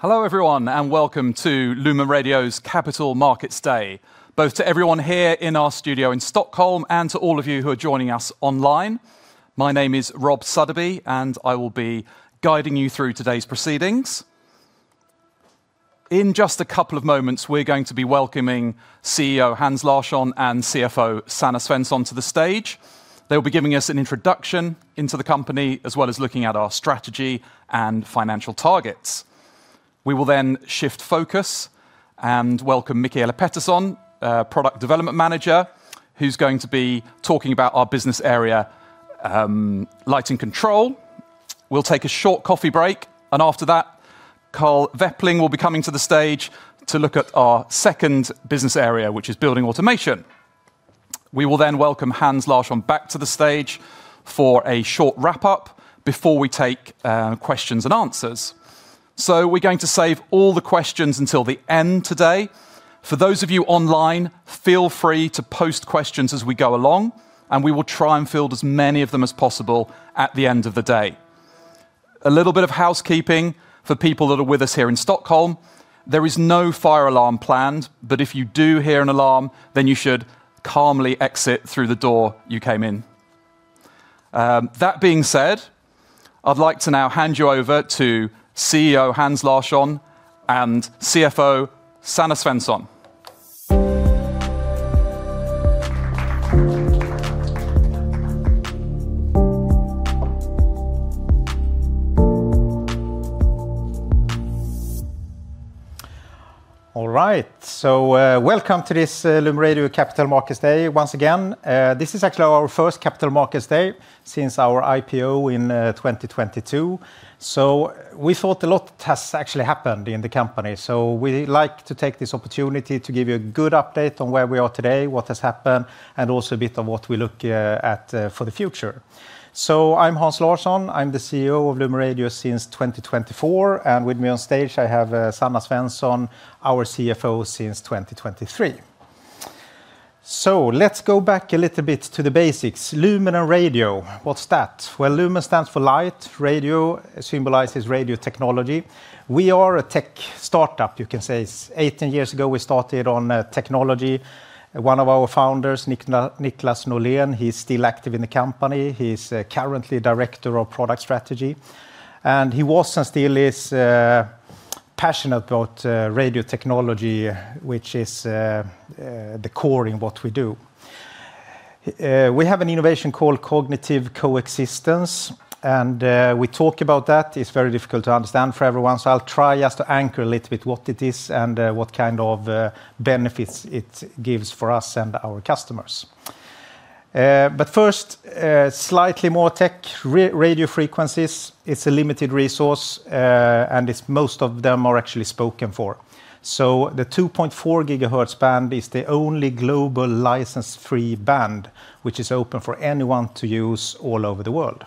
Hello everyone, and welcome to LumenRadio's Capital Markets Day, both to everyone here in our studio in Stockholm and to all of you who are joining us online. My name is Rob Suddaby, and I will be guiding you through today's proceedings. In just a couple of moments, we're going to be welcoming CEO Hans Larsson and CFO Sanna Svensson to the stage. They'll be giving us an introduction into the company, as well as looking at our strategy and financial targets. We will then shift focus and welcome Mikaela Pettersson, Product Development Manager, who's going to be talking about our business area, lighting control. We'll take a short coffee break, and after that, Carl Wäppling will be coming to the stage to look at our second business area, which is building automation. We will then welcome Hans Larsson back to the stage for a short wrap-up before we take questions and answers. We're going to save all the questions until the end today. For those of you online, feel free to post questions as we go along, and we will try and field as many of them as possible at the end of the day. A little bit of housekeeping for people that are with us here in Stockholm. There is no fire alarm planned, but if you do hear an alarm, then you should calmly exit through the door you came in. That being said, I'd like to now hand you over to CEO Hans Larsson and CFO Sanna Svensson. All right. Welcome to this LumenRadio Capital Markets Day once again. This is actually our first Capital Markets Day since our IPO in 2022. We thought a lot has actually happened in the company. We like to take this opportunity to give you a good update on where we are today, what has happened, and also a bit of what we look at for the future. I'm Hans Larsson. I'm the CEO of LumenRadio since 2024, and with me on stage, I have Sanna Svensson, our CFO since 2023. Let's go back a little bit to the basics. Lumen and radio, what's that? Well, lumen stands for light, radio symbolizes radio technology. We are a tech startup, you can say. 18 years ago, we started on technology. One of our founders, Niclas Norlén, he's still active in the company. He's currently Director of Product Strategy. He was and still is passionate about radio technology, which is the core in what we do. We have an innovation called Cognitive Coexistence, and we talk about that. It's very difficult to understand for everyone, so I'll try just to anchor a little bit what it is and what kind of benefits it gives for us and our customers. But first, slightly more tech. Radio frequencies, it's a limited resource, and it's most of them are actually spoken for. So the 2.4 GHz band is the only global license-free band which is open for anyone to use all over the world.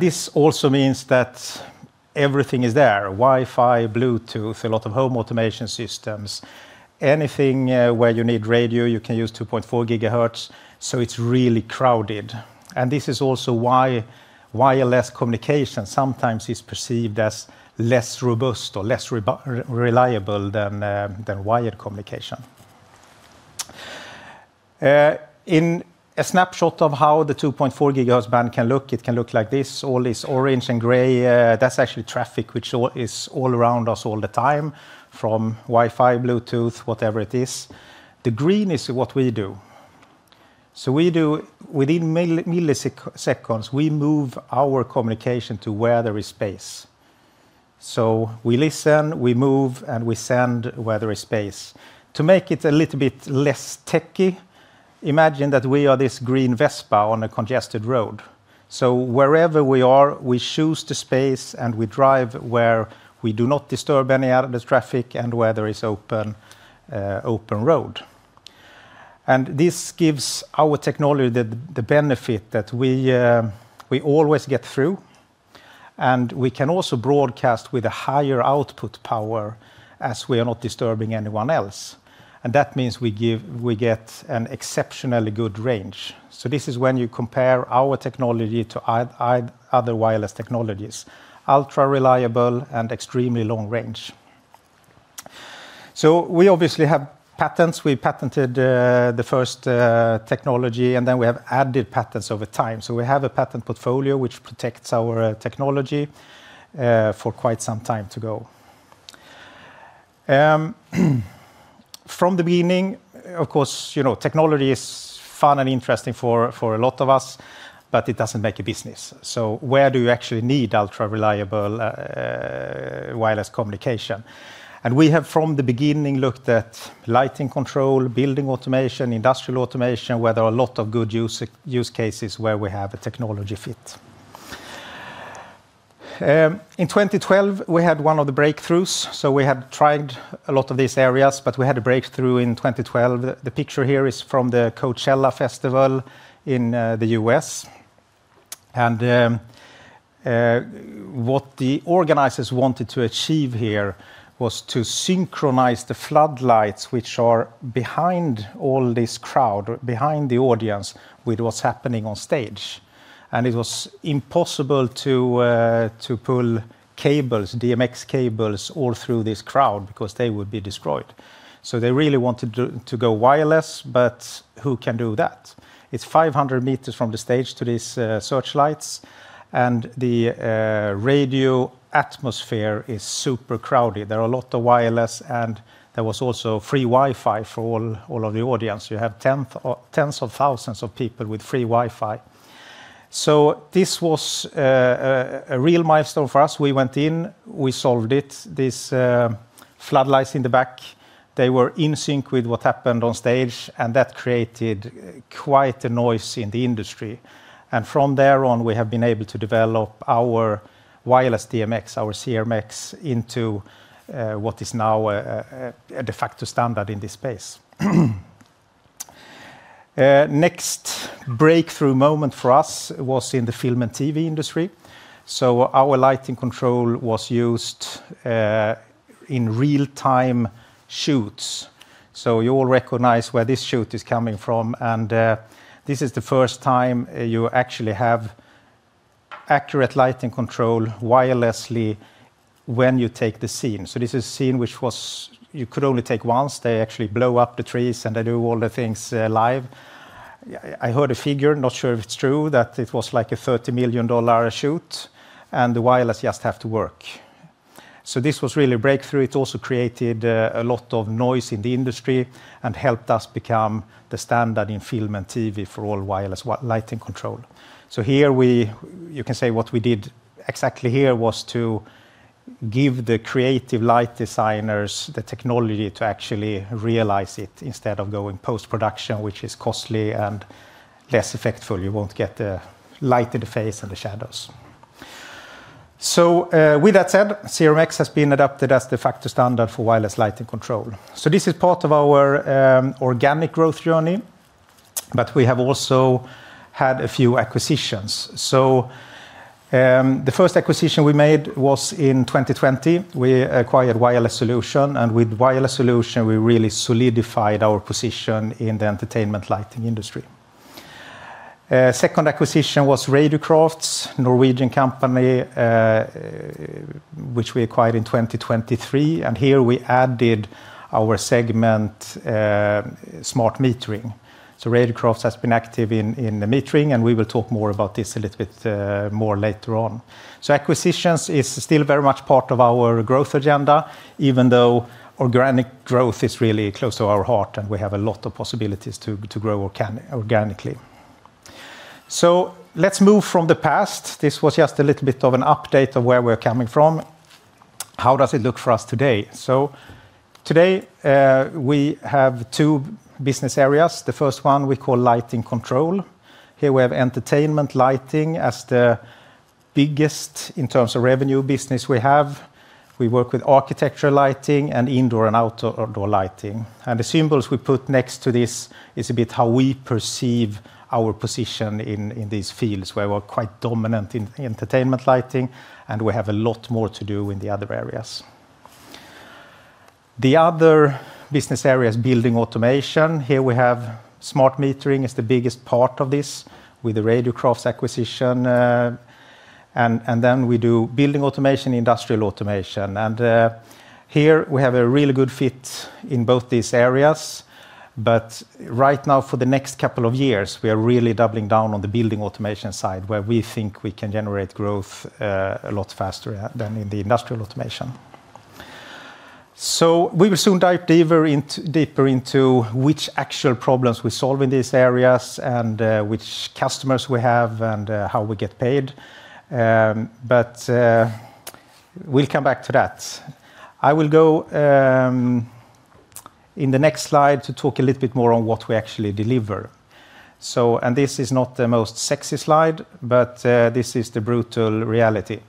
This also means that everything is there, Wi-Fi, Bluetooth, a lot of home automation systems. Anything, where you need radio, you can use 2.4 GHz, so it's really crowded. This is also why wireless communication sometimes is perceived as less robust or less reliable than wired communication. In a snapshot of how the 2.4 GHz band can look, it can look like this. All this orange and gray, that's actually traffic which is all around us all the time from Wi-Fi, Bluetooth, whatever it is. The green is what we do. We do within milliseconds, we move our communication to where there is space. We listen, we move, and we send where there is space. To make it a little bit less techie, imagine that we are this green Vespa on a congested road. Wherever we are, we choose the space and we drive where we do not disturb any other traffic and where there is open road. This gives our technology the benefit that we always get through and we can also broadcast with a higher output power as we are not disturbing anyone else. That means we get an exceptionally good range. This is when you compare our technology to other wireless technologies, ultra reliable and extremely long range. We obviously have patents. We patented the first technology, and then we have added patents over time. We have a patent portfolio which protects our technology for quite some time to go. From the beginning, of course, you know, technology is fun and interesting for a lot of us, but it doesn't make a business. Where do you actually need ultra reliable wireless communication? We have, from the beginning, looked at lighting control, building automation, industrial automation, where there are a lot of good use cases where we have a technology fit. In 2012, we had one of the breakthroughs. We had tried a lot of these areas, but we had a breakthrough in 2012. The picture here is from the Coachella festival in the U.S. What the organizers wanted to achieve here was to synchronize the floodlights which are behind all this crowd, behind the audience with what's happening on stage. It was impossible to pull cables, DMX cables, all through this crowd because they would be destroyed. They really wanted to go wireless, but who can do that? It's 500 meters from the stage to these searchlights and the radio atmosphere is super crowded. There are a lot of wireless, and there was also free Wi-Fi for all of the audience. You have tens of thousands of people with free Wi-Fi. This was a real milestone for us. We went in, we solved it. These floodlights in the back, they were in sync with what happened on stage, and that created quite a noise in the industry. From there on, we have been able to develop our wireless DMX, our CRMX into what is now a de facto standard in this space. Next breakthrough moment for us was in the film and TV industry. Our lighting control was used in real-time shoots. You all recognize where this shoot is coming from, and this is the first time you actually have accurate lighting control wirelessly when you take the scene. This is a scene which you could only take once. They actually blow up the trees, and they do all the things live. I heard a figure, not sure if it's true, that it was like a $30 million shoot, and the wireless just have to work. This was really a breakthrough. It also created a lot of noise in the industry and helped us become the standard in film and TV for all wireless lighting control. You can say what we did exactly here was to give the creative light designers the technology to actually realize it instead of going post-production, which is costly and less effective. You won't get the light in the face and the shadows. With that said, CRMX has been adopted as de facto standard for wireless lighting control. This is part of our organic growth journey, but we have also had a few acquisitions. The first acquisition we made was in 2020. We acquired Wireless Solution, and with Wireless Solution, we really solidified our position in the entertainment lighting industry. Second acquisition was Radiocrafts, Norwegian company, which we acquired in 2023, and here we added our segment, smart metering. Radiocrafts has been active in the metering, and we will talk more about this a little bit more later on. Acquisitions is still very much part of our growth agenda, even though organic growth is really close to our heart, and we have a lot of possibilities to grow organically. Let's move from the past. This was just a little bit of an update of where we're coming from. How does it look for us today? Today, we have two business areas. The first one we call lighting control. Here we have entertainment lighting as the biggest, in terms of revenue, business we have. We work with architectural lighting and indoor and outdoor lighting. The symbols we put next to this is a bit how we perceive our position in these fields, where we're quite dominant in entertainment lighting, and we have a lot more to do in the other areas. The other business area is building automation. Here we have smart metering is the biggest part of this with the Radiocrafts acquisition, and then we do building automation, industrial automation. Here we have a really good fit in both these areas. Right now, for the next couple of years, we are really doubling down on the building automation side, where we think we can generate growth, a lot faster than in the industrial automation. We will soon dive deeper into which actual problems we solve in these areas and, which customers we have and, how we get paid. We'll come back to that. I will go in the next slide to talk a little bit more on what we actually deliver. This is not the most sexy slide, but this is the brutal reality.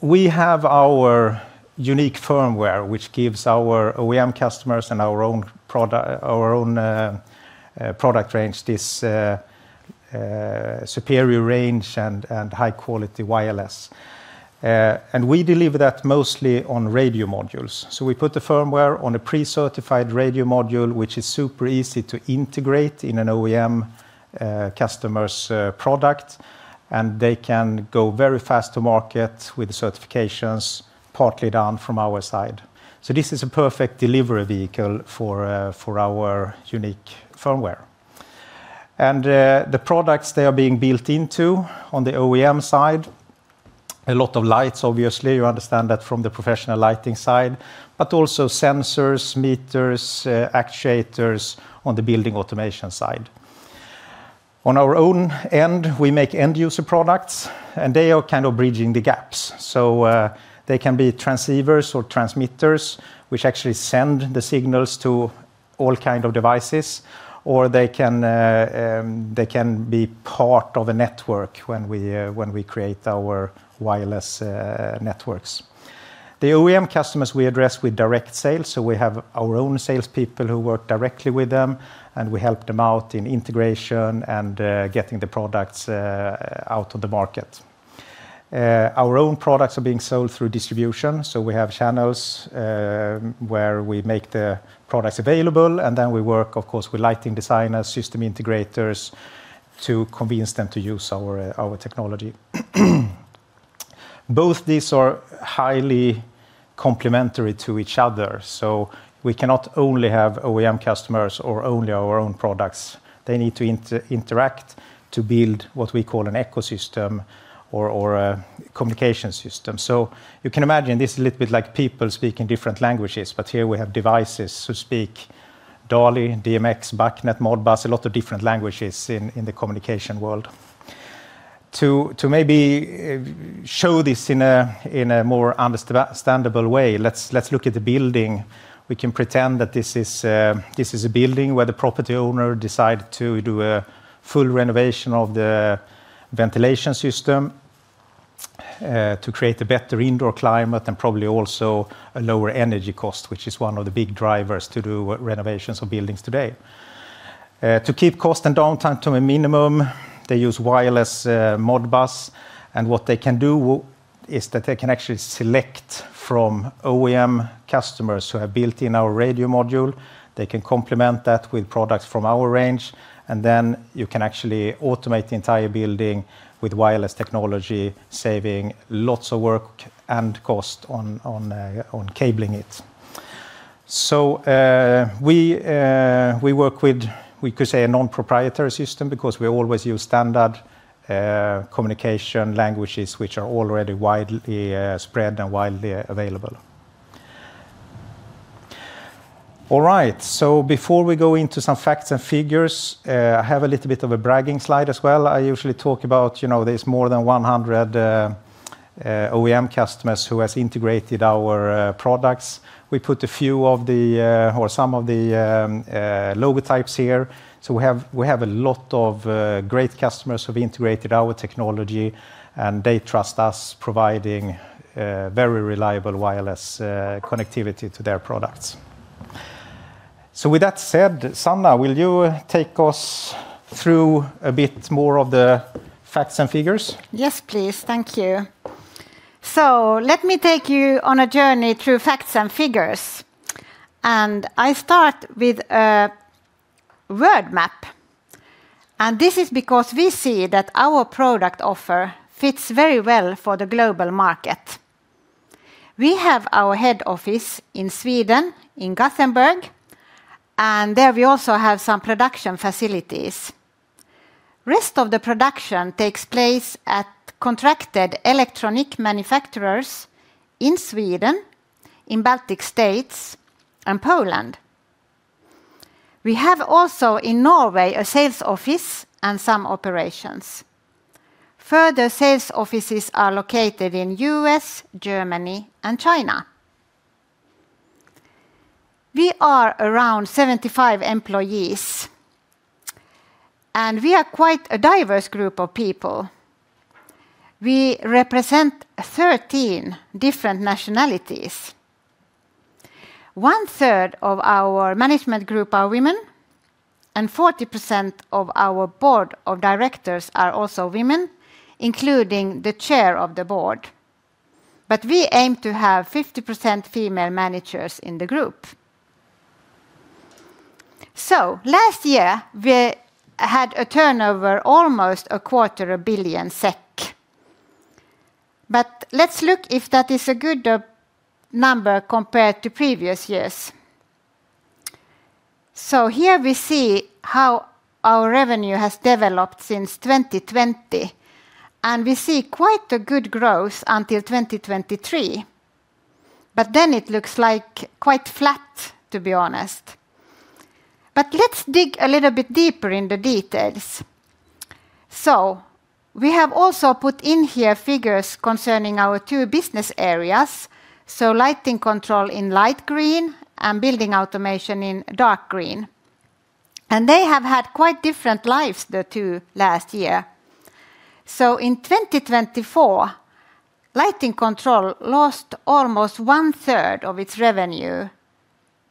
We have our unique firmware, which gives our OEM customers and our own product range this superior range and high-quality wireless. We deliver that mostly on radio modules. We put the firmware on a pre-certified radio module, which is super easy to integrate in an OEM customer's product, and they can go very fast to market with the certifications partly done from our side. This is a perfect delivery vehicle for our unique firmware. The products they are being built into on the OEM side, a lot of lights, obviously, you understand that from the professional lighting side, but also sensors, meters, activators on the building automation side. On our own end, we make end user products, and they are kind of bridging the gaps. They can be transceivers or transmitters which actually send the signals to all kind of devices, or they can be part of a network when we create our wireless networks. The OEM customers we address with direct sales, so we have our own salespeople who work directly with them, and we help them out in integration and getting the products out of the market. Our own products are being sold through distribution, so we have channels where we make the products available, and then we work, of course, with lighting designers, system integrators to convince them to use our technology. Both these are highly complementary to each other, so we cannot only have OEM customers or only our own products. They need to interact to build what we call an ecosystem or a communication system. You can imagine this a little bit like people speaking different languages, but here we have devices who speak DALI, DMX, BACnet, Modbus, a lot of different languages in the communication world. To maybe show this in a more understandable way, let's look at the building. We can pretend that this is a building where the property owner decided to do a full renovation of the ventilation system, to create a better indoor climate and probably also a lower energy cost, which is one of the big drivers to do re-renovations of buildings today. To keep cost and downtime to a minimum, they use wireless Modbus, and what they can do is that they can actually select from OEM customers who have built in our radio module. They can complement that with products from our range, and then you can actually automate the entire building with wireless technology, saving lots of work and cost on cabling it. We work with, we could say, a non-proprietary system because we always use standard communication languages which are already widely spread and widely available. All right, before we go into some facts and figures, I have a little bit of a bragging slide as well. I usually talk about, you know, there's more than 100 OEM customers who has integrated our products. We put some of the logo types here. We have a lot of great customers who've integrated our technology, and they trust us providing very reliable wireless connectivity to their products. With that said, Sanna, will you take us through a bit more of the facts and figures? Yes, please. Thank you. Let me take you on a journey through facts and figures. I start with a word map. This is because we see that our product offer fits very well for the global market. We have our head office in Sweden, in Gothenburg, and there we also have some production facilities. Rest of the production takes place at contracted electronic manufacturers in Sweden, in Baltic States, and Poland. We have also in Norway a sales office and some operations. Further sales offices are located in U.S., Germany, and China. We are around 75 employees, and we are quite a diverse group of people. We represent 13 different nationalities. One-third of our management group are women, and 40% of our board of directors are also women, including the chair of the board. We aim to have 50% female managers in the group. Last year, we had a turnover almost a quarter a billion SEK. Let's look if that is a good number compared to previous years. Here we see how our revenue has developed since 2020, and we see quite a good growth until 2023. Then it looks like quite flat, to be honest. Let's dig a little bit deeper in the details. We have also put in here figures concerning our two business areas, so lighting control in light green and building automation in dark green. They have had quite different lives the two last year. In 2024, lighting control lost almost 1/3 of its revenue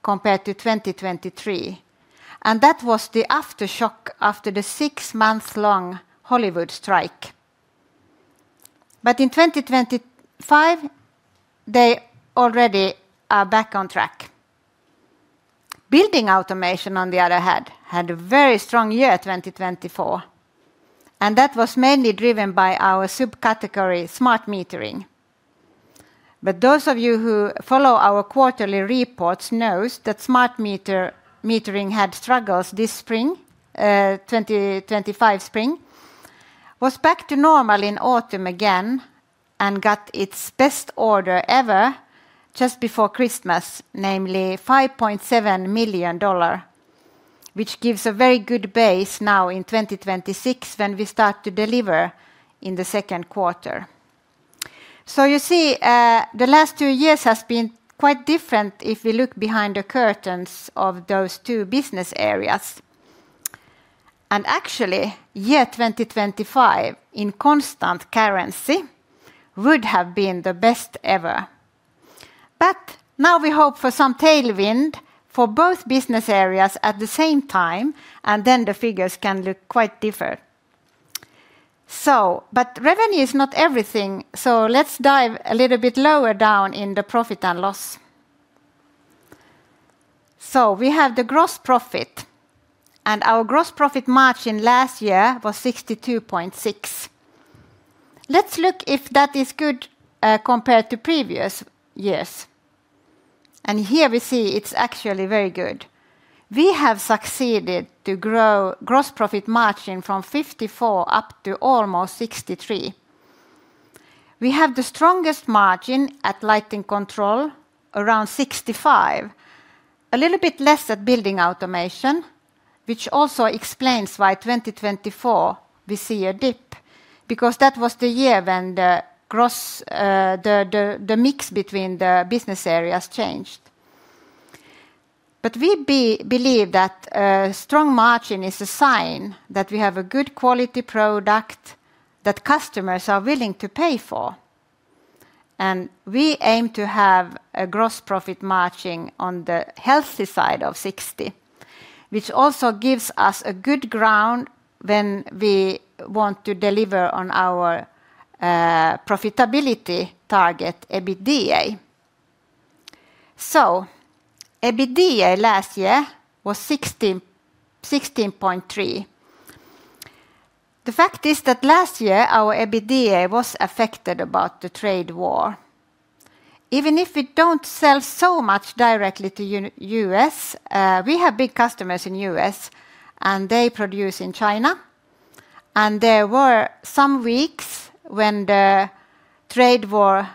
compared to 2023, and that was the aftershock after the six-month-long Hollywood strike. In 2025, they already are back on track. Building automation, on the other hand, had a very strong year 2024, and that was mainly driven by our subcategory, smart metering. Those of you who follow our quarterly reports knows that smart metering had struggles this spring, 2025 spring, was back to normal in autumn again and got its best order ever just before Christmas, namely $5.7 million, which gives a very good base now in 2026 when we start to deliver in the second quarter. You see, the last two years has been quite different if we look behind the curtains of those two business areas. Actually year 2025 in constant currency would have been the best ever. Now we hope for some tailwind for both business areas at the same time, and then the figures can look quite different. Revenue is not everything, so let's dive a little bit lower down in the profit and loss. We have the gross profit, and our gross profit margin last year was 62.6%. Let's look if that is good, compared to previous years. Here we see it's actually very good. We have succeeded to grow gross profit margin from 54% up to almost 63%. We have the strongest margin at Lighting Control around 65%. A little bit less at Building Automation, which also explains why 2024 we see a dip, because that was the year when the mix between the business areas changed. We believe that strong margin is a sign that we have a good quality product that customers are willing to pay for. We aim to have a gross profit margin on the healthy side of 60%, which also gives us a good ground when we want to deliver on our profitability target EBITDA. EBITDA last year was 16.3%. The fact is that last year our EBITDA was affected by the trade war. Even if we don't sell so much directly to U.S., we have big customers in U.S., and they produce in China. There were some weeks when the trade war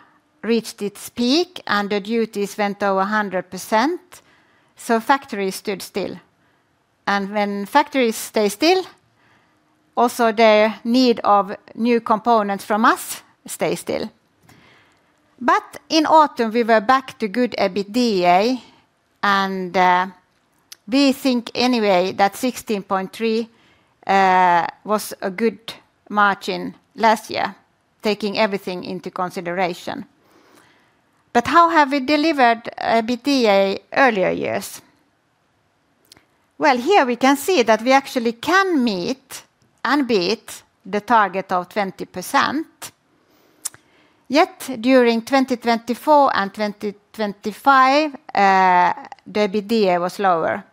reached its peak, and the duties went over 100%, so factories stood still. When factories stay still, also the need of new components from us stay still. In autumn, we were back to good EBITDA, and we think anyway that 16.3% was a good margin last year, taking everything into consideration. How have we delivered EBITDA earlier years? Well, here we can see that we actually can meet and beat the target of 20%, yet during 2024 and 2025, the EBITDA was lower.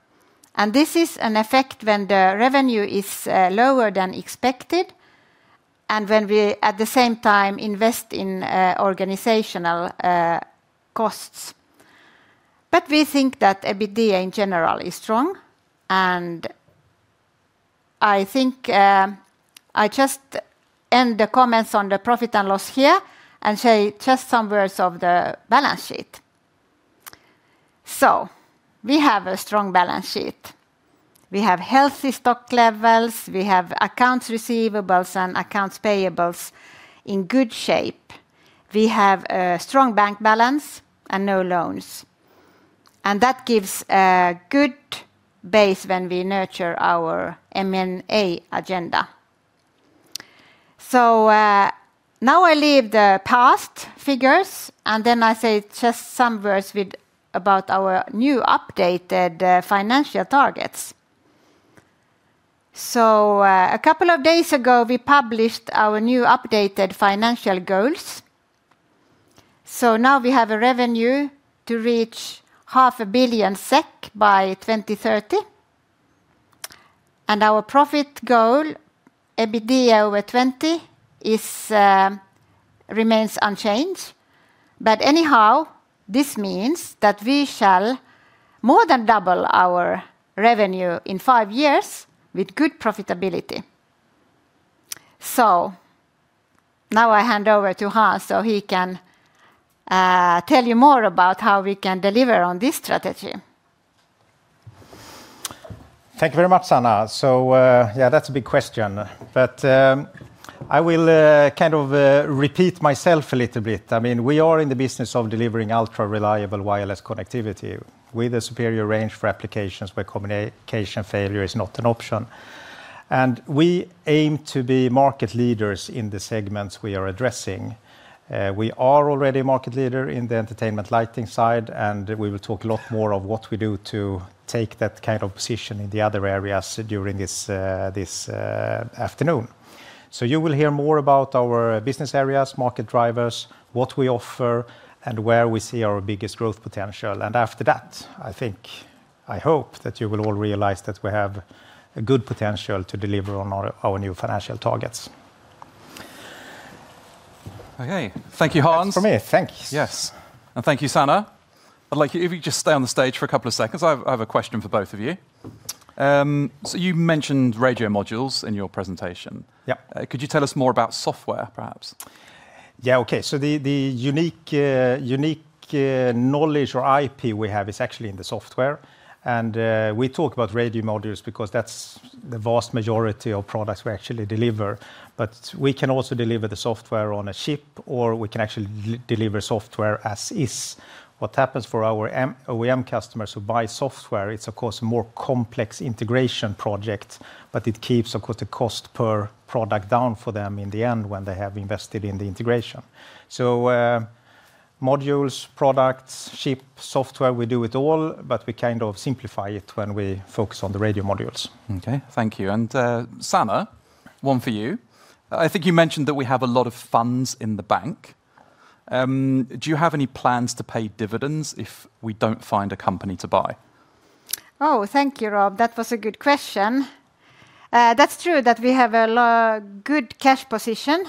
This is an effect when the revenue is lower than expected and when we at the same time invest in organizational costs. We think that EBITDA in general is strong, and I think, I just end the comments on the profit and loss here and say just some words of the balance sheet. We have a strong balance sheet. We have healthy stock levels. We have accounts receivables and accounts payables in good shape. We have a strong bank balance and no loans. That gives a good base when we nurture our M&A agenda. Now I leave the past figures, and then I say just some words about our new updated financial targets. A couple of days ago, we published our new updated financial goals. Now we have a revenue to reach half a billion SEK by 2030. Our profit goal, EBITDA over 20%, remains unchanged. Anyhow, this means that we shall more than double our revenue in five years with good profitability. Now I hand over to Hans so he can tell you more about how we can deliver on this strategy. Thank you very much, Sanna. Yeah, that's a big question. I will kind of repeat myself a little bit. I mean, we are in the business of delivering ultra-reliable wireless connectivity with a superior range for applications where communication failure is not an option. We aim to be market leaders in the segments we are addressing. We are already a market leader in the entertainment lighting side, and we will talk a lot more of what we do to take that kind of position in the other areas during this afternoon. You will hear more about our business areas, market drivers, what we offer, and where we see our biggest growth potential. After that, I think, I hope that you will all realize that we have a good potential to deliver on our new financial targets. Okay. Thank you, Hans. That's from me. Thank you. Yes. Thank you, Sanna. I'd like you, if you just stay on the stage for a couple of seconds. I have a question for both of you. You mentioned radio modules in your presentation. Yeah. Could you tell us more about software perhaps? Yeah. Okay. The unique knowledge or IP we have is actually in the software. We talk about radio modules because that's the vast majority of products we actually deliver. But we can also deliver the software on a chip, or we can actually deliver software as is. What happens for our OEM customers who buy software, it's of course a more complex integration project, but it keeps, of course, the cost per product down for them in the end when they have invested in the integration. Modules, products, chips, software, we do it all, but we kind of simplify it when we focus on the radio modules. Okay. Thank you. Sanna, one for you. I think you mentioned that we have a lot of funds in the bank. Do you have any plans to pay dividends if we don't find a company to buy? Oh, thank you, Rob. That was a good question. That's true that we have a good cash position,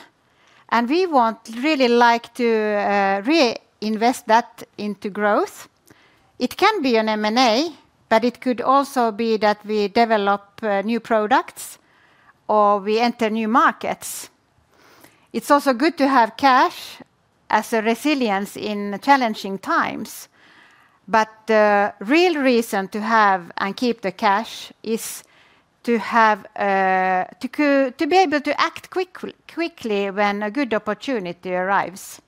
and we want really like to reinvest that into growth. It can be an M&A, but it could also be that we develop new products or we enter new markets. It's also good to have cash as a resilience in challenging times. The real reason to have and keep the cash is to be able to act quickly when a good opportunity arrives.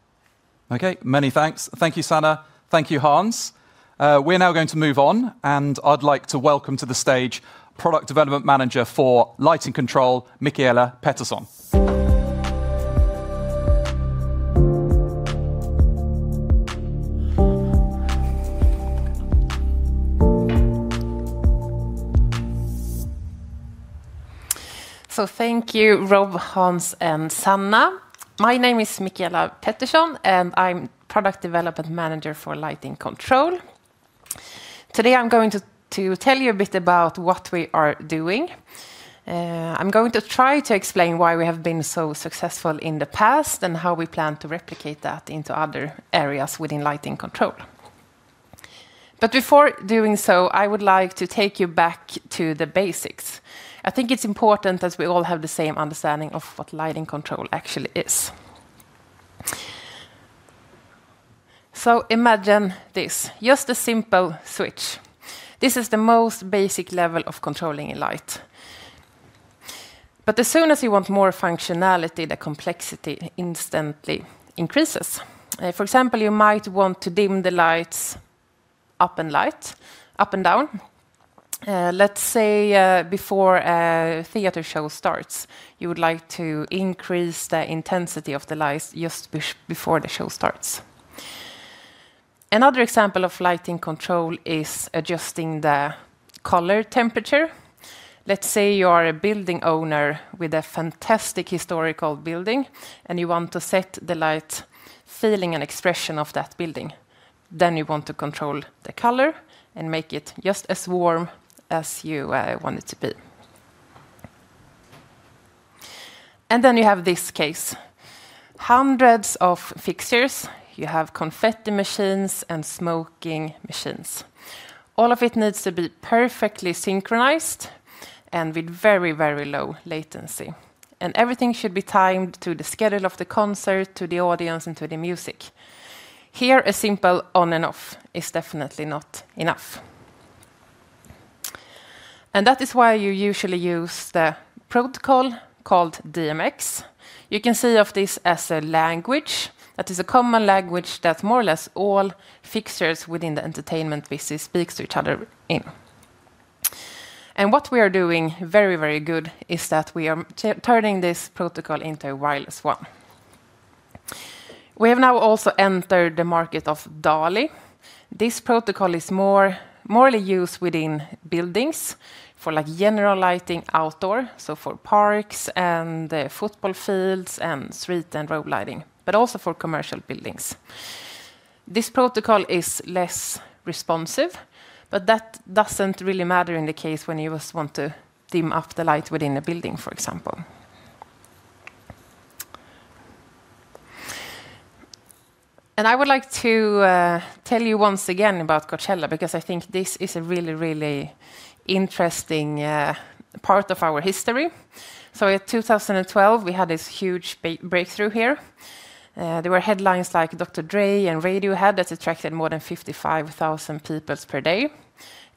Okay. Many thanks. Thank you, Sanna. Thank you, Hans. We're now going to move on, and I'd like to welcome to the stage Product Development Manager for Lighting Control, Mikaela Pettersson. Thank you, Rob, Hans, and Sanna. My name is Mikaela Pettersson, and I'm Product Development Manager for Lighting Control. Today, I'm going to tell you a bit about what we are doing. I'm going to try to explain why we have been so successful in the past and how we plan to replicate that into other areas within lighting control. Before doing so, I would like to take you back to the basics. I think it's important that we all have the same understanding of what lighting control actually is. Imagine this, just a simple switch. This is the most basic level of controlling a light. As soon as you want more functionality, the complexity instantly increases. For example, you might want to dim the lights up and down. Let's say, before a theater show starts, you would like to increase the intensity of the lights before the show starts. Another example of lighting control is adjusting the color temperature. Let's say you are a building owner with a fantastic historical building, and you want to set the light feeling and expression of that building. You want to control the color and make it just as warm as you want it to be. You have this case. Hundreds of fixtures. You have confetti machines and smoking machines. All of it needs to be perfectly synchronized and with very, very low latency. Everything should be timed to the schedule of the concert, to the audience, and to the music. Here, a simple on and off is definitely not enough. That is why you usually use the protocol called DMX. You can think of this as a language that is a common language that more or less all fixtures within the entertainment industry speak to each other in. What we are doing very, very well is that we are turning this protocol into a wireless one. We have now also entered the market of DALI. This protocol is more used within buildings for like general lighting and outdoor, so for parks and football fields and street and road lighting, but also for commercial buildings. This protocol is less responsive, but that doesn't really matter in the case when you just want to dim up the light within a building, for example. I would like to tell you once again about Coachella because I think this is a really, really interesting part of our history. In 2012, we had this huge breakthrough here. There were headlines like Dr. Dre and Radiohead that attracted more than 55,000 people per day.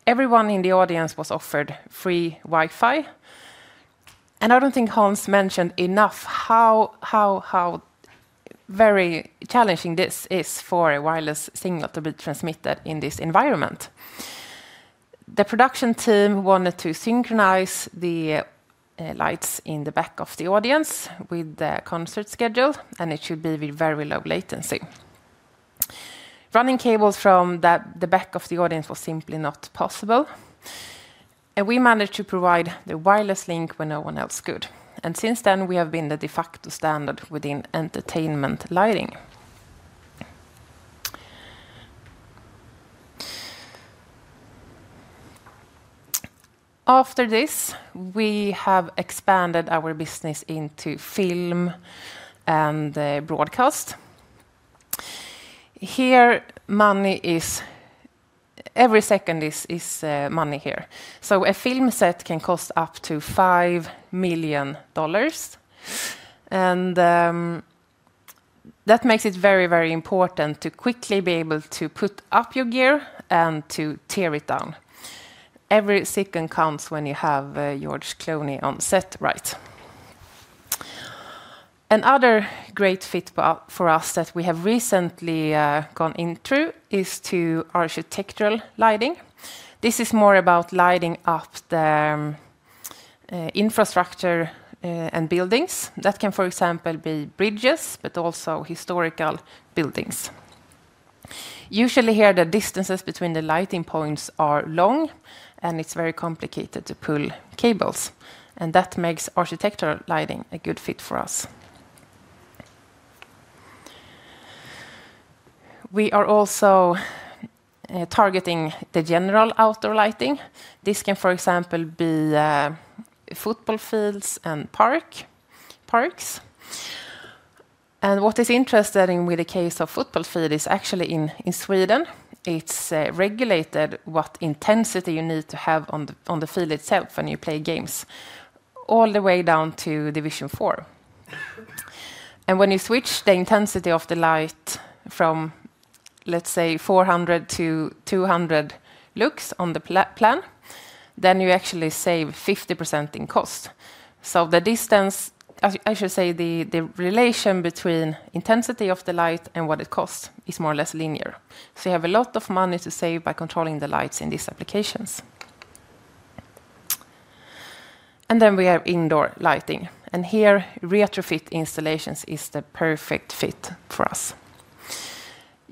Everyone in the audience was offered free Wi-Fi. I don't think Hans mentioned enough how very challenging this is for a wireless signal to be transmitted in this environment. The production team wanted to synchronize the lights in the back of the audience with the concert schedule, and it should be with very low latency. Running cables from the back of the audience was simply not possible. We managed to provide the wireless link when no one else could. Since then, we have been the de facto standard within entertainment lighting. After this, we have expanded our business into film and broadcast. Here, money is. Every second is money here. A film set can cost up to $5 million, and that makes it very, very important to quickly be able to put up your gear and to tear it down. Every second counts when you have George Clooney on set, right? Another great fit for us that we have recently gone into is architectural lighting. This is more about lighting up the infrastructure and buildings. That can, for example, be bridges but also historical buildings. Usually here, the distances between the lighting points are long, and it's very complicated to pull cables, and that makes architectural lighting a good fit for us. We are also targeting the general outdoor lighting. This can, for example, be football fields and parks. What is interesting with the case of football field is actually in Sweden, it's regulated what intensity you need to have on the field itself when you play games all the way down to Division Four. When you switch the intensity of the light from, let's say, 400-200 lux on the plan, then you actually save 50% in cost. I should say the relation between intensity of the light and what it costs is more or less linear. You have a lot of money to save by controlling the lights in these applications. Then we have indoor lighting, and here retrofit installations is the perfect fit for us.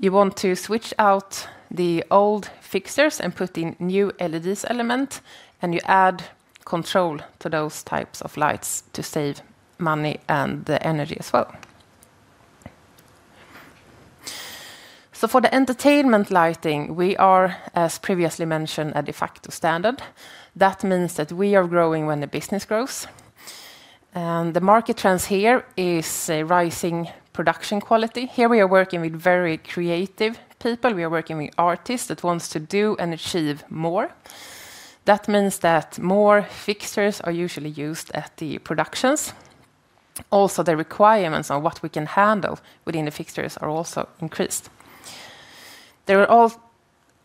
You want to switch out the old fixtures and put in new LEDs element, and you add control to those types of lights to save money and the energy as well. For the entertainment lighting, we are, as previously mentioned, a de facto standard. That means that we are growing when the business grows. The market trends here is a rising production quality. Here, we are working with very creative people. We are working with artists that wants to do and achieve more. That means that more fixtures are usually used at the productions. Also, the requirements on what we can handle within the fixtures are also increased. There are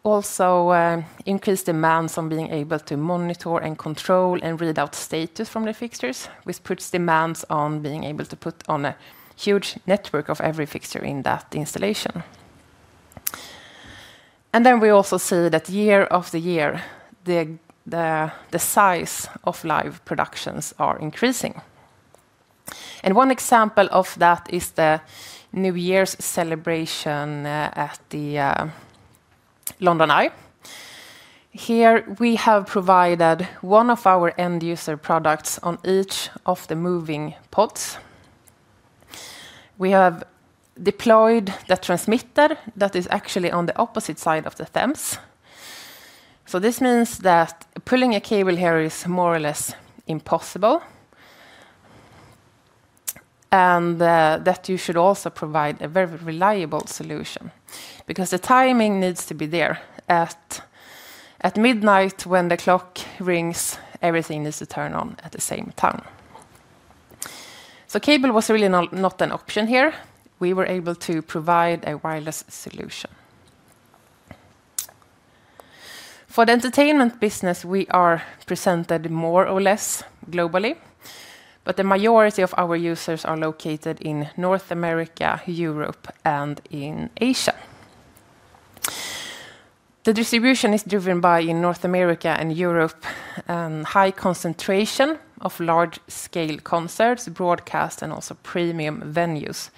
also increased demands on being able to monitor and control and read out status from the fixtures, which puts demands on being able to put on a huge network of every fixture in that installation. We also see that year after year, the size of live productions are increasing. One example of that is the New Year's celebration at the London Eye. Here, we have provided one of our end user products on each of the moving pods. We have deployed the transmitter that is actually on the opposite side of the Thames. This means that pulling a cable here is more or less impossible and that you should also provide a very reliable solution because the timing needs to be there. At midnight, when the clock rings, everything needs to turn on at the same time. Cable was really not an option here. We were able to provide a wireless solution. For the entertainment business, we are present more or less globally, but the majority of our users are located in North America, Europe, and in Asia. The distribution is driven by, in North America and Europe, high concentration of large-scale concerts, broadcast, and also premium venues,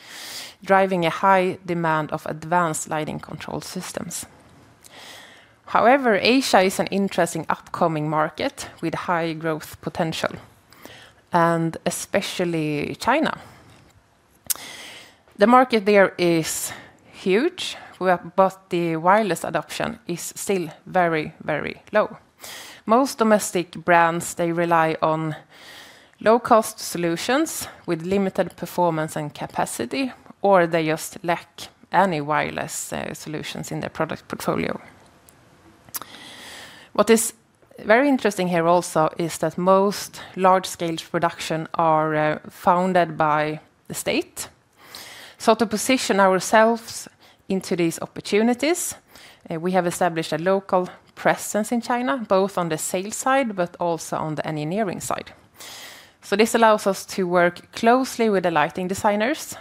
driving a high demand of advanced lighting control systems. However, Asia is an interesting upcoming market with high growth potential, and especially China. The market there is huge. But the wireless adoption is still very, very low. Most domestic brands, they rely on low-cost solutions with limited performance and capacity, or they just lack any wireless solutions in their product portfolio. What is very interesting here also is that most large-scale production are funded by the state. To position ourselves into these opportunities, we have established a local presence in China, both on the sales side, but also on the engineering side. This allows us to work closely with the lighting designers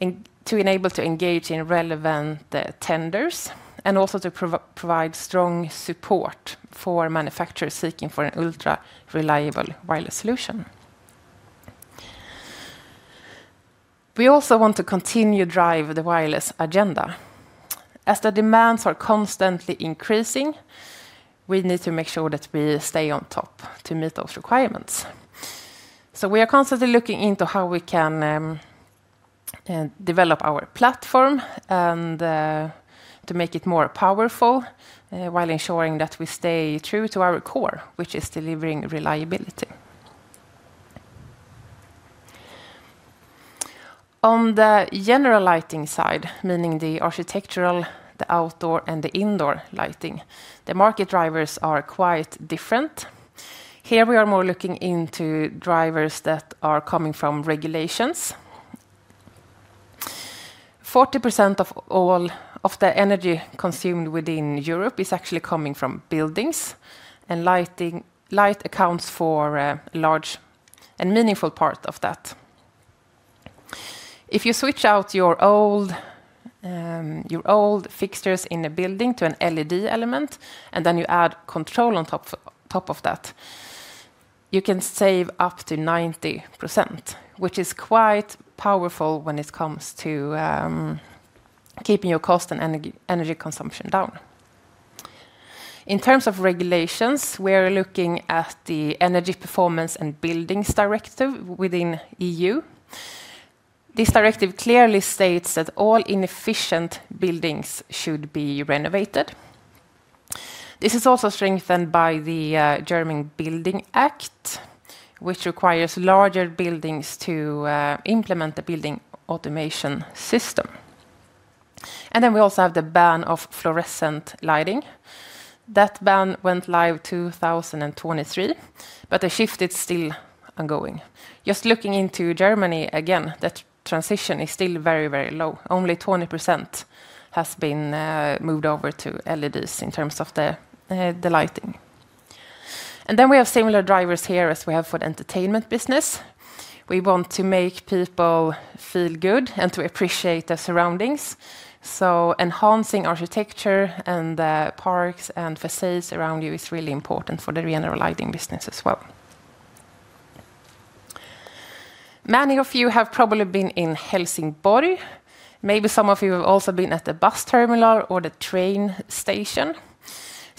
and to enable to engage in relevant tenders and also to provide strong support for manufacturers seeking for an ultra-reliable wireless solution. We also want to continue drive the wireless agenda. As the demands are constantly increasing, we need to make sure that we stay on top to meet those requirements. We are constantly looking into how we can develop our platform and to make it more powerful while ensuring that we stay true to our core, which is delivering reliability. On the general lighting side, meaning the architectural, the outdoor, and the indoor lighting, the market drivers are quite different. Here, we are more looking into drivers that are coming from regulations. 40% of all of the energy consumed within Europe is actually coming from buildings, and lighting accounts for a large and meaningful part of that. If you switch out your old fixtures in a building to an LED element, and then you add control on top of that, you can save up to 90%, which is quite powerful when it comes to keeping your cost and energy consumption down. In terms of regulations, we're looking at the Energy Performance of Buildings Directive within the EU. This directive clearly states that all inefficient buildings should be renovated. This is also strengthened by the German Building Energy Act, which requires larger buildings to implement the building automation system. We also have the ban on fluorescent lighting. That ban went live 2023, but the shift is still ongoing. Just looking into Germany again, that transition is still very, very low. Only 20% has been moved over to LEDs in terms of the lighting. We have similar drivers here as we have for the entertainment business. We want to make people feel good and to appreciate the surroundings. Enhancing architecture and the parks and facades around you is really important for the general lighting business as well. Many of you have probably been in Helsingborg. Maybe some of you have also been at the bus terminal or the train station.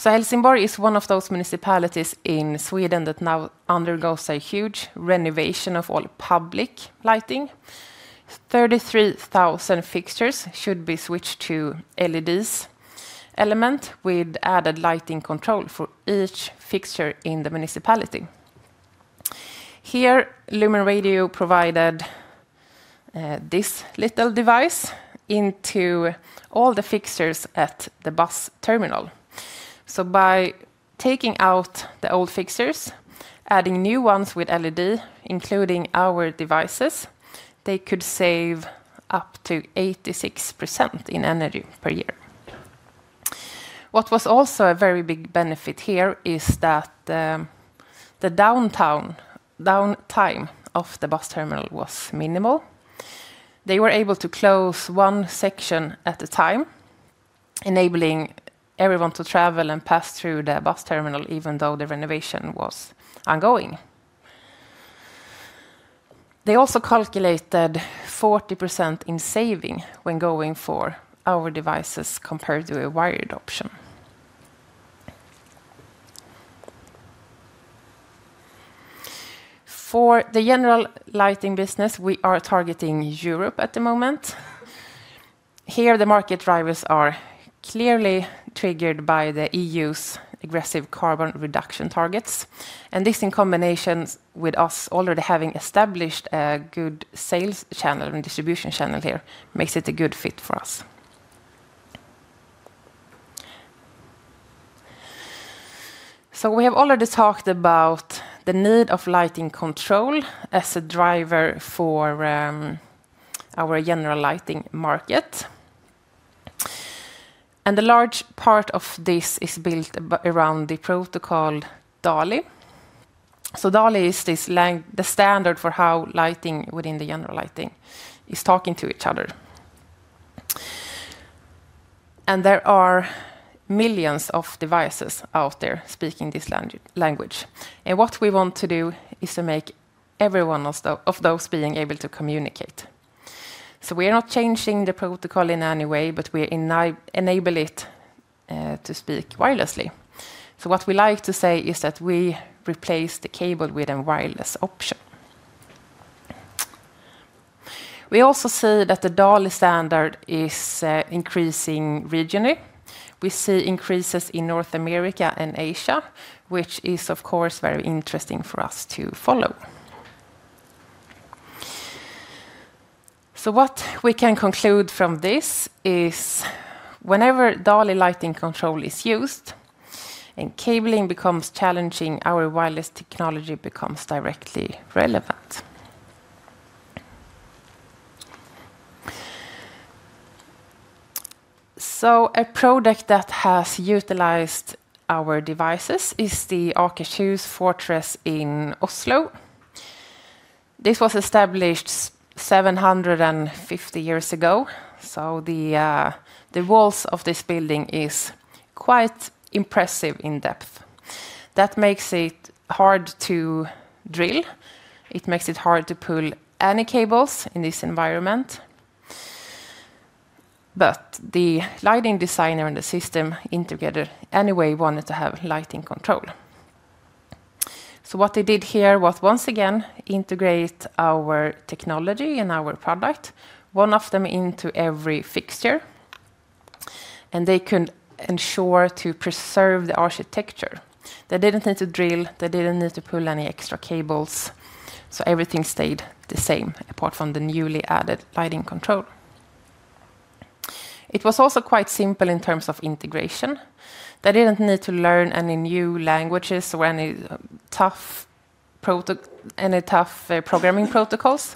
Helsingborg is one of those municipalities in Sweden that now undergoes a huge renovation of all public lighting. 33,000 fixtures should be switched to LED elements with added lighting control for each fixture in the municipality. Here, LumenRadio provided this little device into all the fixtures at the bus terminal. By taking out the old fixtures, adding new ones with LED, including our devices, they could save up to 86% in energy per year. What was also a very big benefit here is that the downtime of the bus terminal was minimal. They were able to close one section at a time, enabling everyone to travel and pass through the bus terminal even though the renovation was ongoing. They also calculated 40% in saving when going for our devices compared to a wired option. For the general lighting business, we are targeting Europe at the moment. Here, the market drivers are clearly triggered by the EU's aggressive carbon reduction targets. This in combination with us already having established a good sales channel and distribution channel here makes it a good fit for us. We have already talked about the need of lighting control as a driver for our general lighting market. A large part of this is built around the protocol DALI. DALI is the standard for how lighting within the general lighting is talking to each other. There are millions of devices out there speaking this language. What we want to do is to make every one of those being able to communicate. We are not changing the protocol in any way, but we enable it to speak wirelessly. What we like to say is that we replace the cable with a wireless option. We also see that the DALI standard is increasing regionally. We see increases in North America and Asia, which is of course very interesting for us to follow. What we can conclude from this is whenever DALI lighting control is used and cabling becomes challenging, our wireless technology becomes directly relevant. A project that has utilized our devices is the Akershus Fortress in Oslo. This was established 750 years ago, so the walls of this building is quite impressive in depth. That makes it hard to drill. It makes it hard to pull any cables in this environment. But the lighting designer and the system integrator anyway wanted to have lighting control. What they did here was once again integrate our technology and our product, one of them into every fixture, and they could ensure to preserve the architecture. They didn't need to drill, they didn't need to pull any extra cables, so everything stayed the same apart from the newly added lighting control. It was also quite simple in terms of integration. They didn't need to learn any new languages or any tough programming protocols.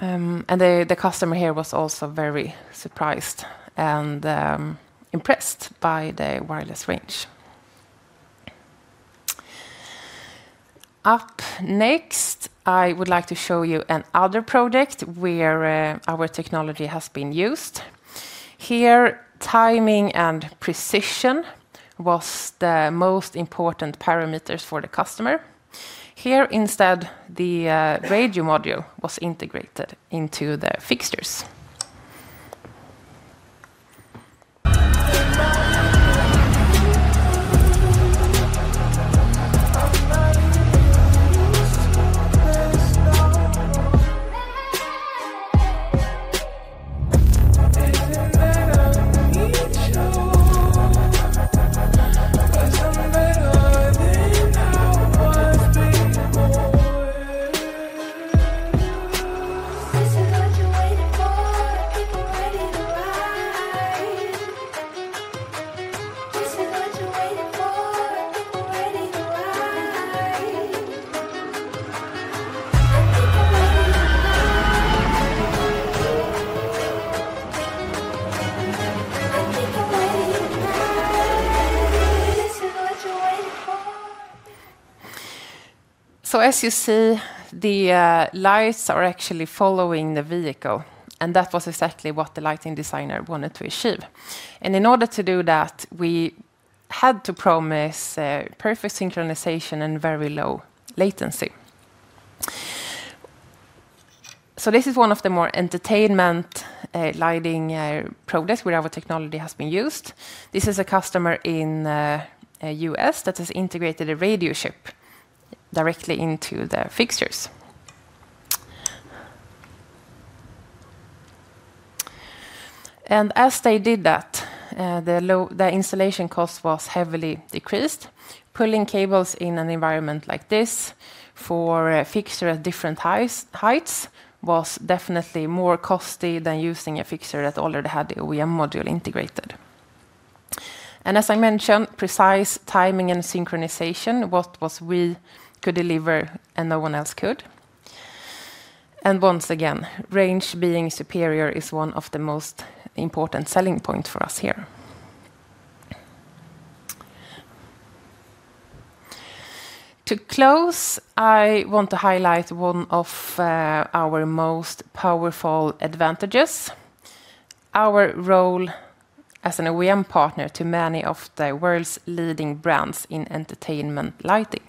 The customer here was also very surprised and impressed by the wireless range. Up next, I would like to show you another product where our technology has been used. Here, timing and precision was the most important parameters for the customer. Here instead, the radio module was integrated into the fixtures. So as you see, the lights are actually following the vehicle, and that was exactly what the lighting designer wanted to achieve. In order to do that, we had to promise perfect synchronization and very low latency. This is one of the more entertainment lighting products where our technology has been used. This is a customer in U.S. that has integrated a radio chip directly into the fixtures. As they did that, the installation cost was heavily decreased. Pulling cables in an environment like this for a fixture at different heights was definitely more costly than using a fixture that already had the OEM module integrated. As I mentioned, precise timing and synchronization what we could deliver and no one else could. Once again, range being superior is one of the most important selling point for us here. To close, I want to highlight one of our most powerful advantages, our role as an OEM partner to many of the world's leading brands in entertainment lighting.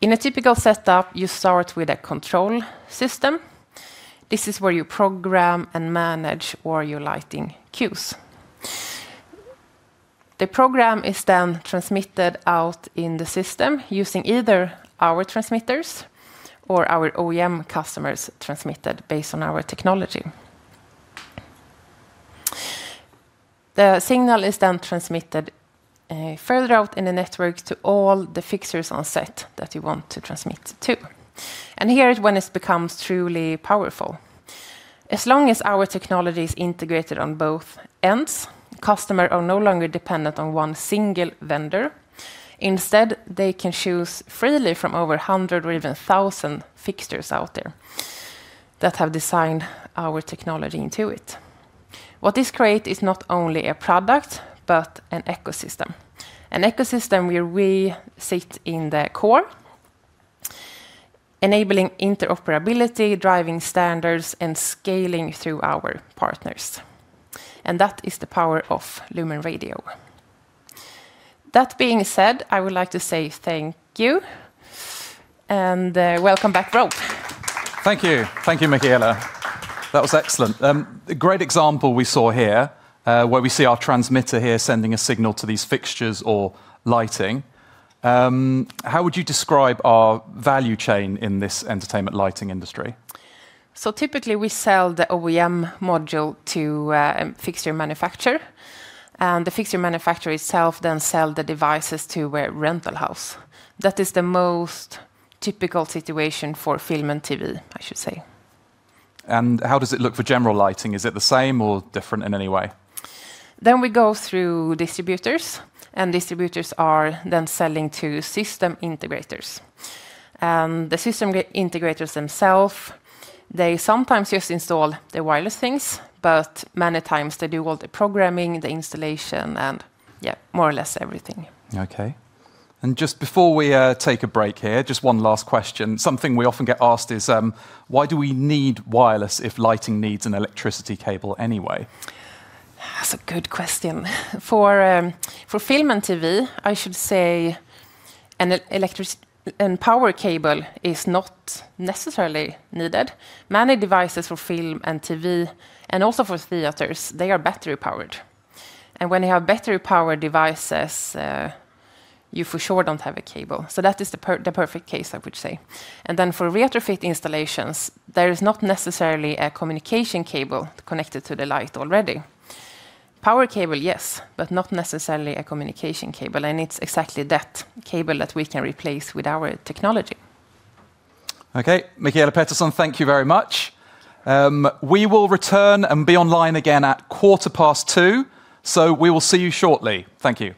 In a typical setup, you start with a control system. This is where you program and manage all your lighting cues. The program is then transmitted out in the system using either our transmitters or our OEM customers transmitted based on our technology. The signal is then transmitted further out in the network to all the fixtures on set that you want to transmit to. Here is when it becomes truly powerful. As long as our technology is integrated on both ends, customers are no longer dependent on one single vendor. Instead, they can choose freely from over a hundred or even thousand fixtures out there that have designed our technology into it. What this create is not only a product but an ecosystem. An ecosystem where we sit in the core, enabling interoperability, driving standards, and scaling through our partners. That is the power of LumenRadio. That being said, I would like to say thank you and welcome back, Rob. Thank you. Thank you, Mikaela. That was excellent. A great example we saw here, where we see our transmitter here sending a signal to these fixtures or lighting. How would you describe our value chain in this entertainment lighting industry? Typically we sell the OEM module to fixture manufacturer, and the fixture manufacturer itself then sell the devices to a rental house. That is the most typical situation for film and TV, I should say. How does it look for general lighting? Is it the same or different in any way? We go through distributors, and distributors are then selling to system integrators. The system integrators themselves, they sometimes just install the wireless things, but many times they do all the programming, the installation, and yeah, more or less everything. Okay. Just before we take a break here, just one last question. Something we often get asked is why do we need wireless if lighting needs an electricity cable anyway? That's a good question. For film and TV, I should say a power cable is not necessarily needed. Many devices for film and TV and also for theaters, they are battery-powered. When you have battery-powered devices, you for sure don't have a cable. That is the perfect case, I would say. For retrofit installations, there is not necessarily a communication cable connected to the light already. Power cable, yes, but not necessarily a communication cable. It's exactly that cable that we can replace with our technology. Okay. Mikaela Pettersson, thank you very much. We will return and be online again at 2:15 P.M., so we will see you shortly. Thank you.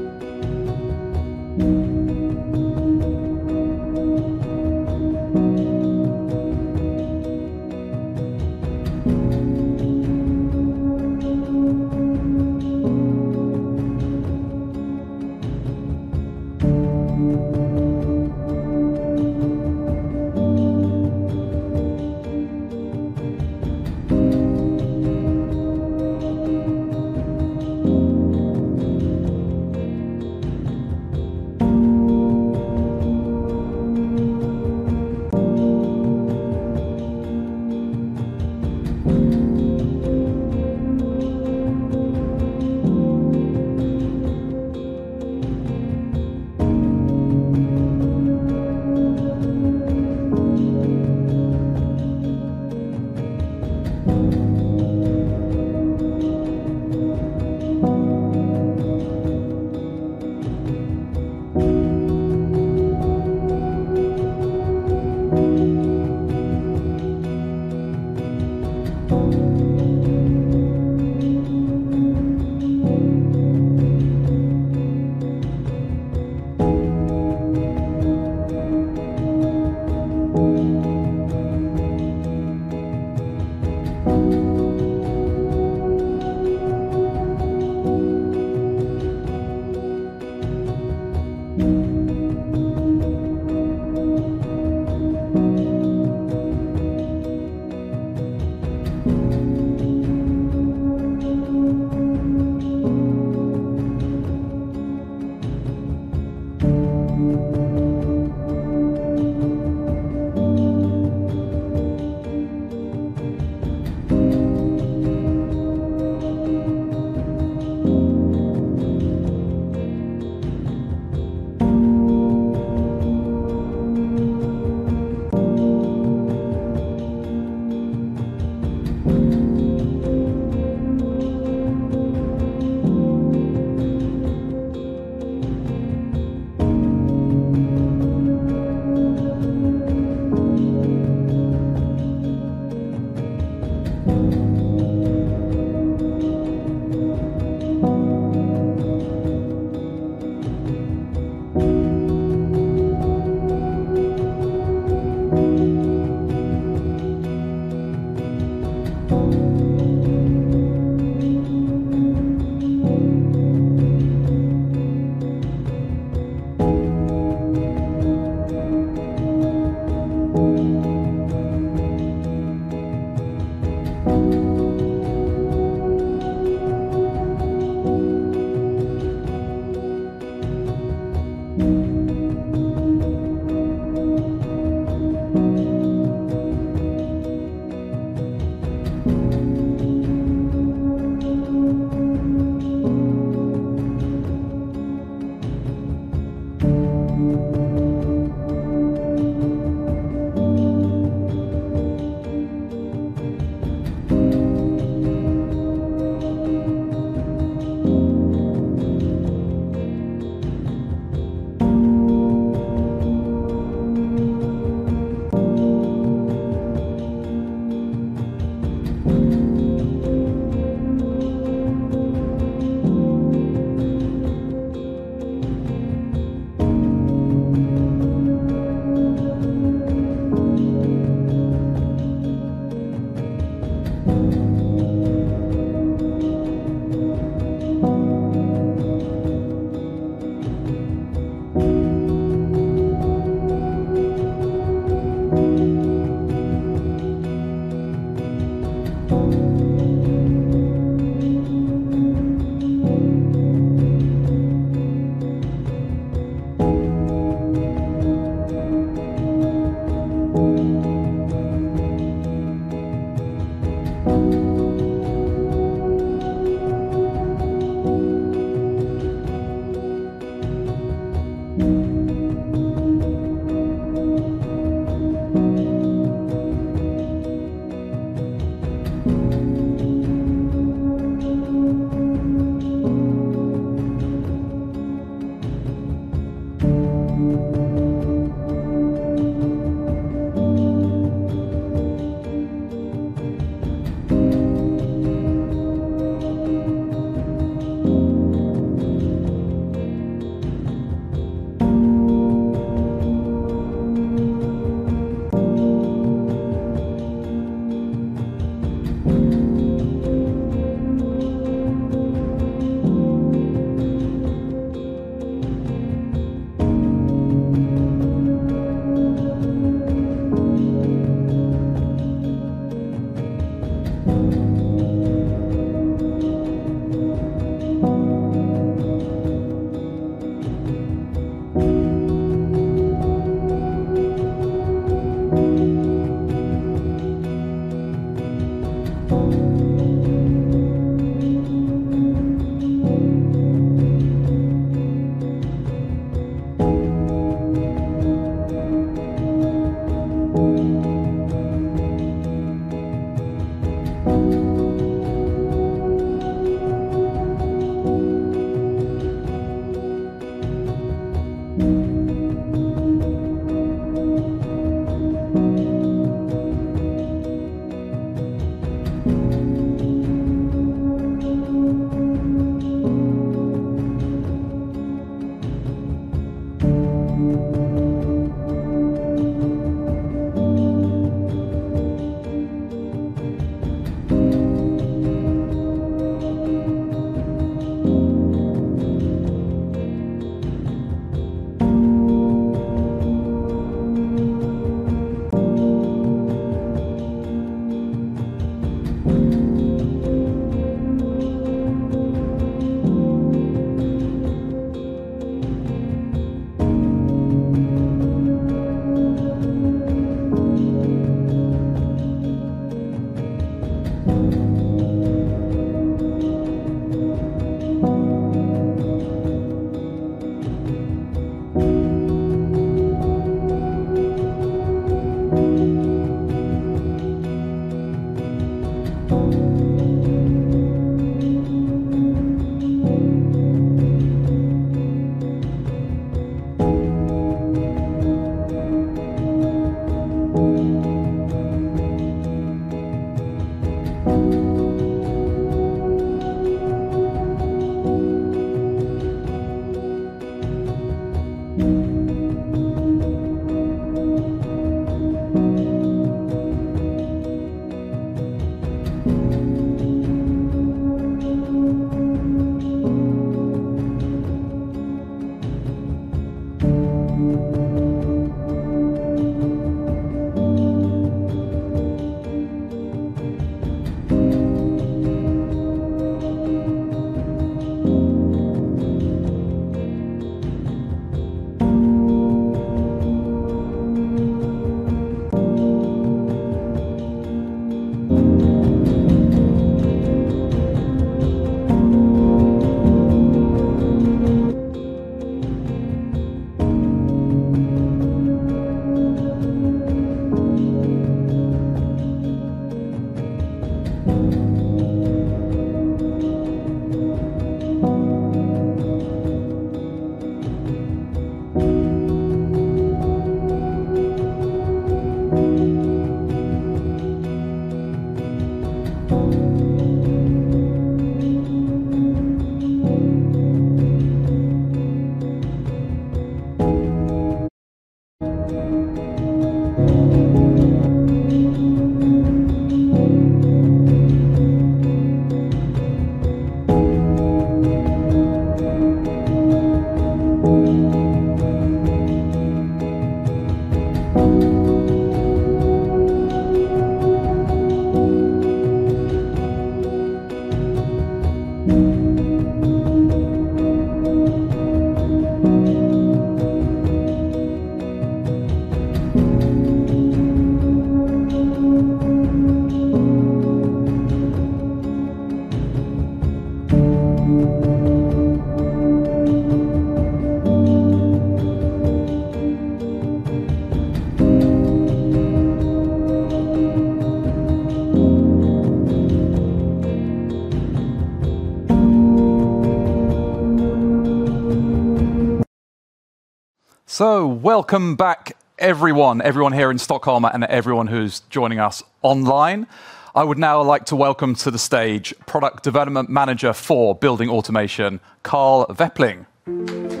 Welcome back everyone here in Stockholm and everyone who's joining us online. I would now like to welcome to the stage Product Development Manager for Building Automation, Carl Wäppling. Thank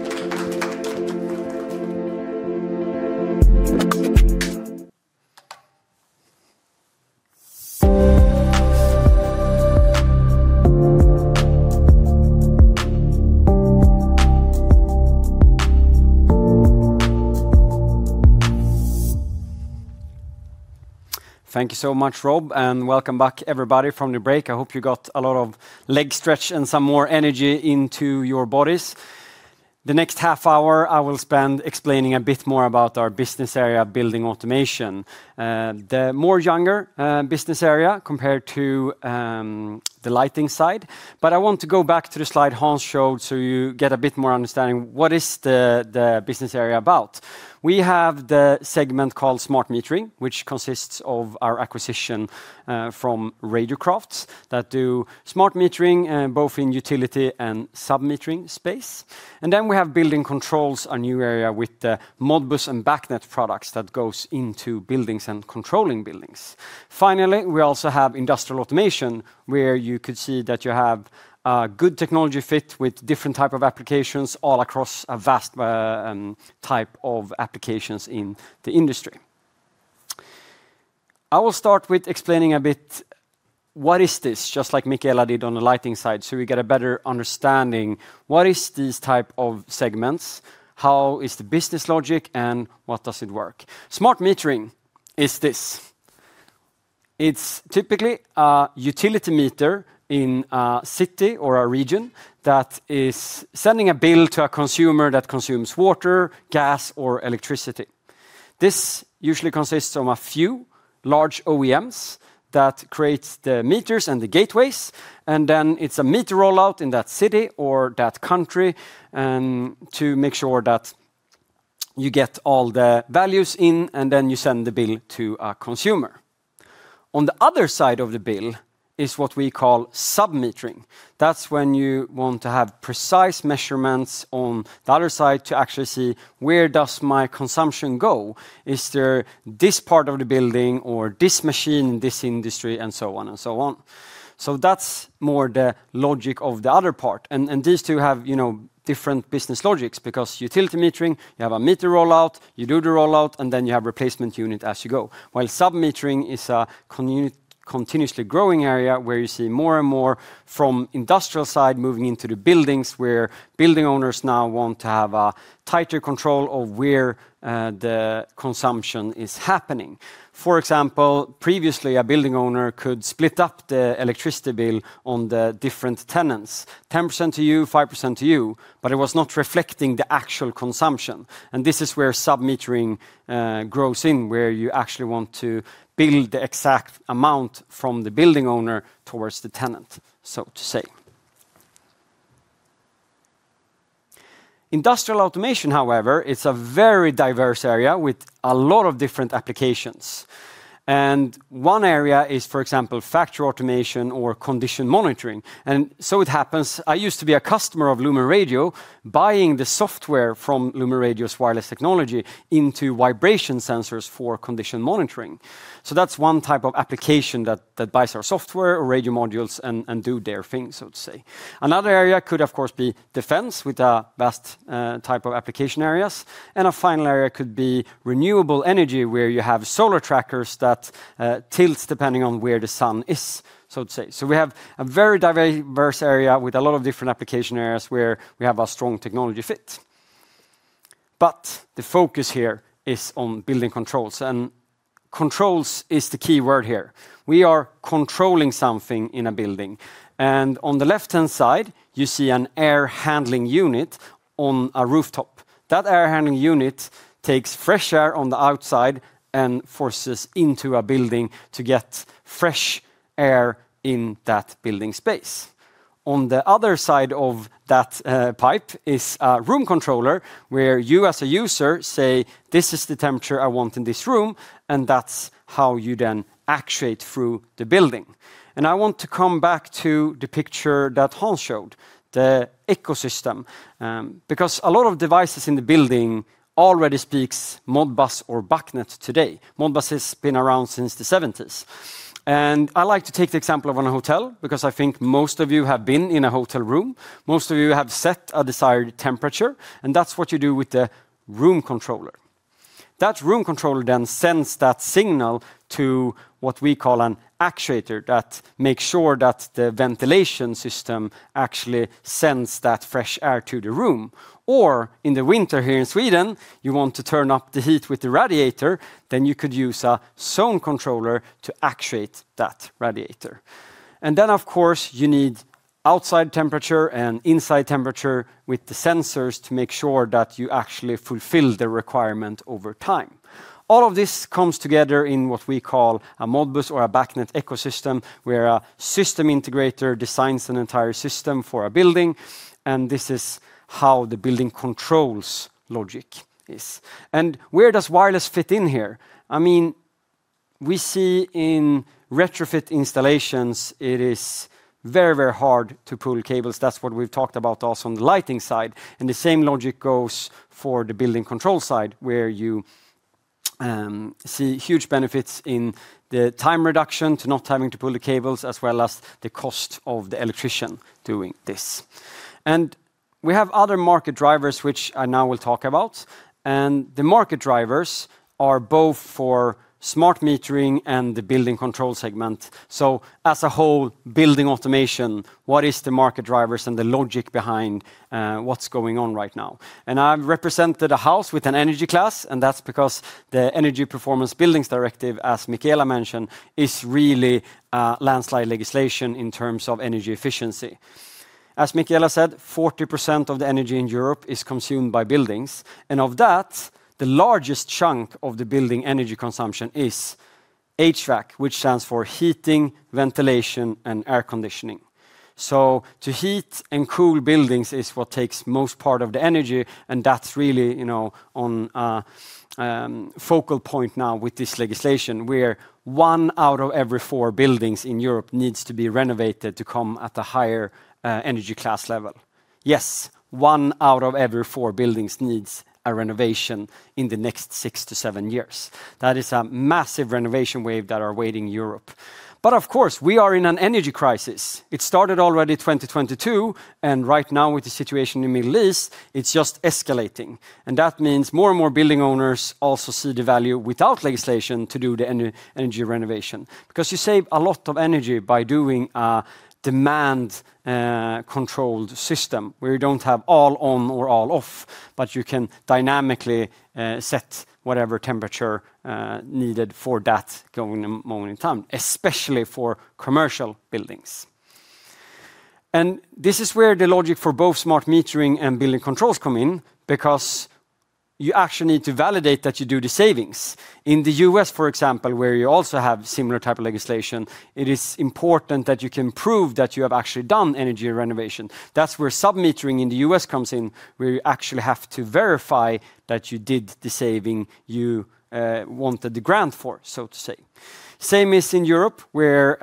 you so much, Rob, and welcome back everybody from the break. I hope you got a lot of leg stretch and some more energy into your bodies. The next half hour, I will spend explaining a bit more about our business area, building automation. The more younger business area compared to the lighting side. I want to go back to the slide Hans showed so you get a bit more understanding what is the business area about. We have the segment called smart metering, which consists of our acquisition from Radiocrafts that do smart metering both in utility and sub-metering space. We have building controls, a new area with the Modbus and BACnet products that goes into buildings and controlling buildings. Finally, we also have industrial automation, where you could see that you have a good technology fit with different type of applications all across a vast type of applications in the industry. I will start with explaining a bit what is this, just like Mikaela did on the lighting side, so we get a better understanding what is these type of segments, how is the business logic, and what does it work. Smart metering is this. It's typically a utility meter in a city or a region that is sending a bill to a consumer that consumes water, gas, or electricity. This usually consists of a few large OEMs that creates the meters and the gateways, and then it's a meter rollout in that city or that country, and to make sure that you get all the values in, and then you send the bill to a consumer. On the other side of the bill is what we call sub-metering. That's when you want to have precise measurements on the other side to actually see where does my consumption go? Is there this part of the building or this machine, this industry, and so on and so on. That's more the logic of the other part. These two have, you know, different business logics because utility metering, you have a meter rollout, you do the rollout, and then you have replacement unit as you go. While sub-metering is a continuously growing area where you see more and more from industrial side moving into the buildings, where building owners now want to have a tighter control of where, the consumption is happening. For example, previously, a building owner could split up the electricity bill on the different tenants. 10% to you, 5% to you, but it was not reflecting the actual consumption. This is where sub-metering grows in, where you actually want to bill the exact amount from the building owner towards the tenant, so to say. Industrial automation, however, is a very diverse area with a lot of different applications. One area is, for example, factory automation or condition monitoring. It happens, I used to be a customer of LumenRadio, buying the software from LumenRadio's wireless technology into vibration sensors for condition monitoring. That's one type of application that buys our software or radio modules and do their thing, so to say. Another area could, of course, be defense with a vast type of application areas. A final area could be renewable energy, where you have solar trackers that tilts depending on where the sun is, so to say. We have a very diverse area with a lot of different application areas where we have a strong technology fit. The focus here is on building controls, and controls is the key word here. We are controlling something in a building. On the left-hand side, you see an air handling unit on a rooftop. That air handling unit takes fresh air on the outside and forces into a building to get fresh air in that building space. On the other side of that pipe is a room controller where you as a user say, "This is the temperature I want in this room," and that's how you then actuate through the building. I want to come back to the picture that Hans showed, the ecosystem, because a lot of devices in the building already speak Modbus or BACnet today. Modbus has been around since the seventies. I like to take the example of a hotel because I think most of you have been in a hotel room. Most of you have set a desired temperature, and that's what you do with the room controller. That room controller then sends that signal to what we call an actuator that makes sure that the ventilation system actually sends that fresh air to the room. Or in the winter here in Sweden, you want to turn up the heat with the radiator, then you could use a zone controller to actuate that radiator. Then of course you need outside temperature and inside temperature with the sensors to make sure that you actually fulfill the requirement over time. All of this comes together in what we call a Modbus or a BACnet ecosystem, where a system integrator designs an entire system for a building, and this is how the building controls logic is. Where does wireless fit in here? I mean, we see in retrofit installations it is very, very hard to pull cables. That's what we've talked about also on the lighting side. The same logic goes for the building control side, where you see huge benefits in the time reduction to not having to pull the cables as well as the cost of the electrician doing this. We have other market drivers which I now will talk about, and the market drivers are both for smart metering and the building control segment. As a whole, building automation, what is the market drivers and the logic behind what's going on right now? I've represented a house with an energy class, and that's because the Energy Performance of Buildings Directive, as Mikaela mentioned, is really landmark legislation in terms of energy efficiency. As Mikaela said, 40% of the energy in Europe is consumed by buildings, and of that, the largest chunk of the building energy consumption is HVAC, which stands for heating, ventilation, and air conditioning. To heat and cool buildings is what takes most part of the energy, and that's really, you know, on a focal point now with this legislation where one out of every four buildings in Europe needs to be renovated to come at a higher energy class level. Yes, one out of every four buildings needs a renovation in the next six-seven years. That is a massive renovation wave that are awaiting Europe. Of course, we are in an energy crisis. It started already 2022, and right now with the situation in Middle East, it's just escalating. That means more and more building owners also see the value without legislation to do the energy renovation. Because you save a lot of energy by doing a demand controlled system where you don't have all on or all off, but you can dynamically set whatever temperature needed for that moment in time, especially for commercial buildings. This is where the logic for both smart metering and building controls come in because you actually need to validate that you do the savings. In the U.S., for example, where you also have similar type of legislation, it is important that you can prove that you have actually done energy renovation. That's where sub-metering in the U.S. comes in, where you actually have to verify that you did the saving you wanted the grant for, so to say. Same is in Europe, where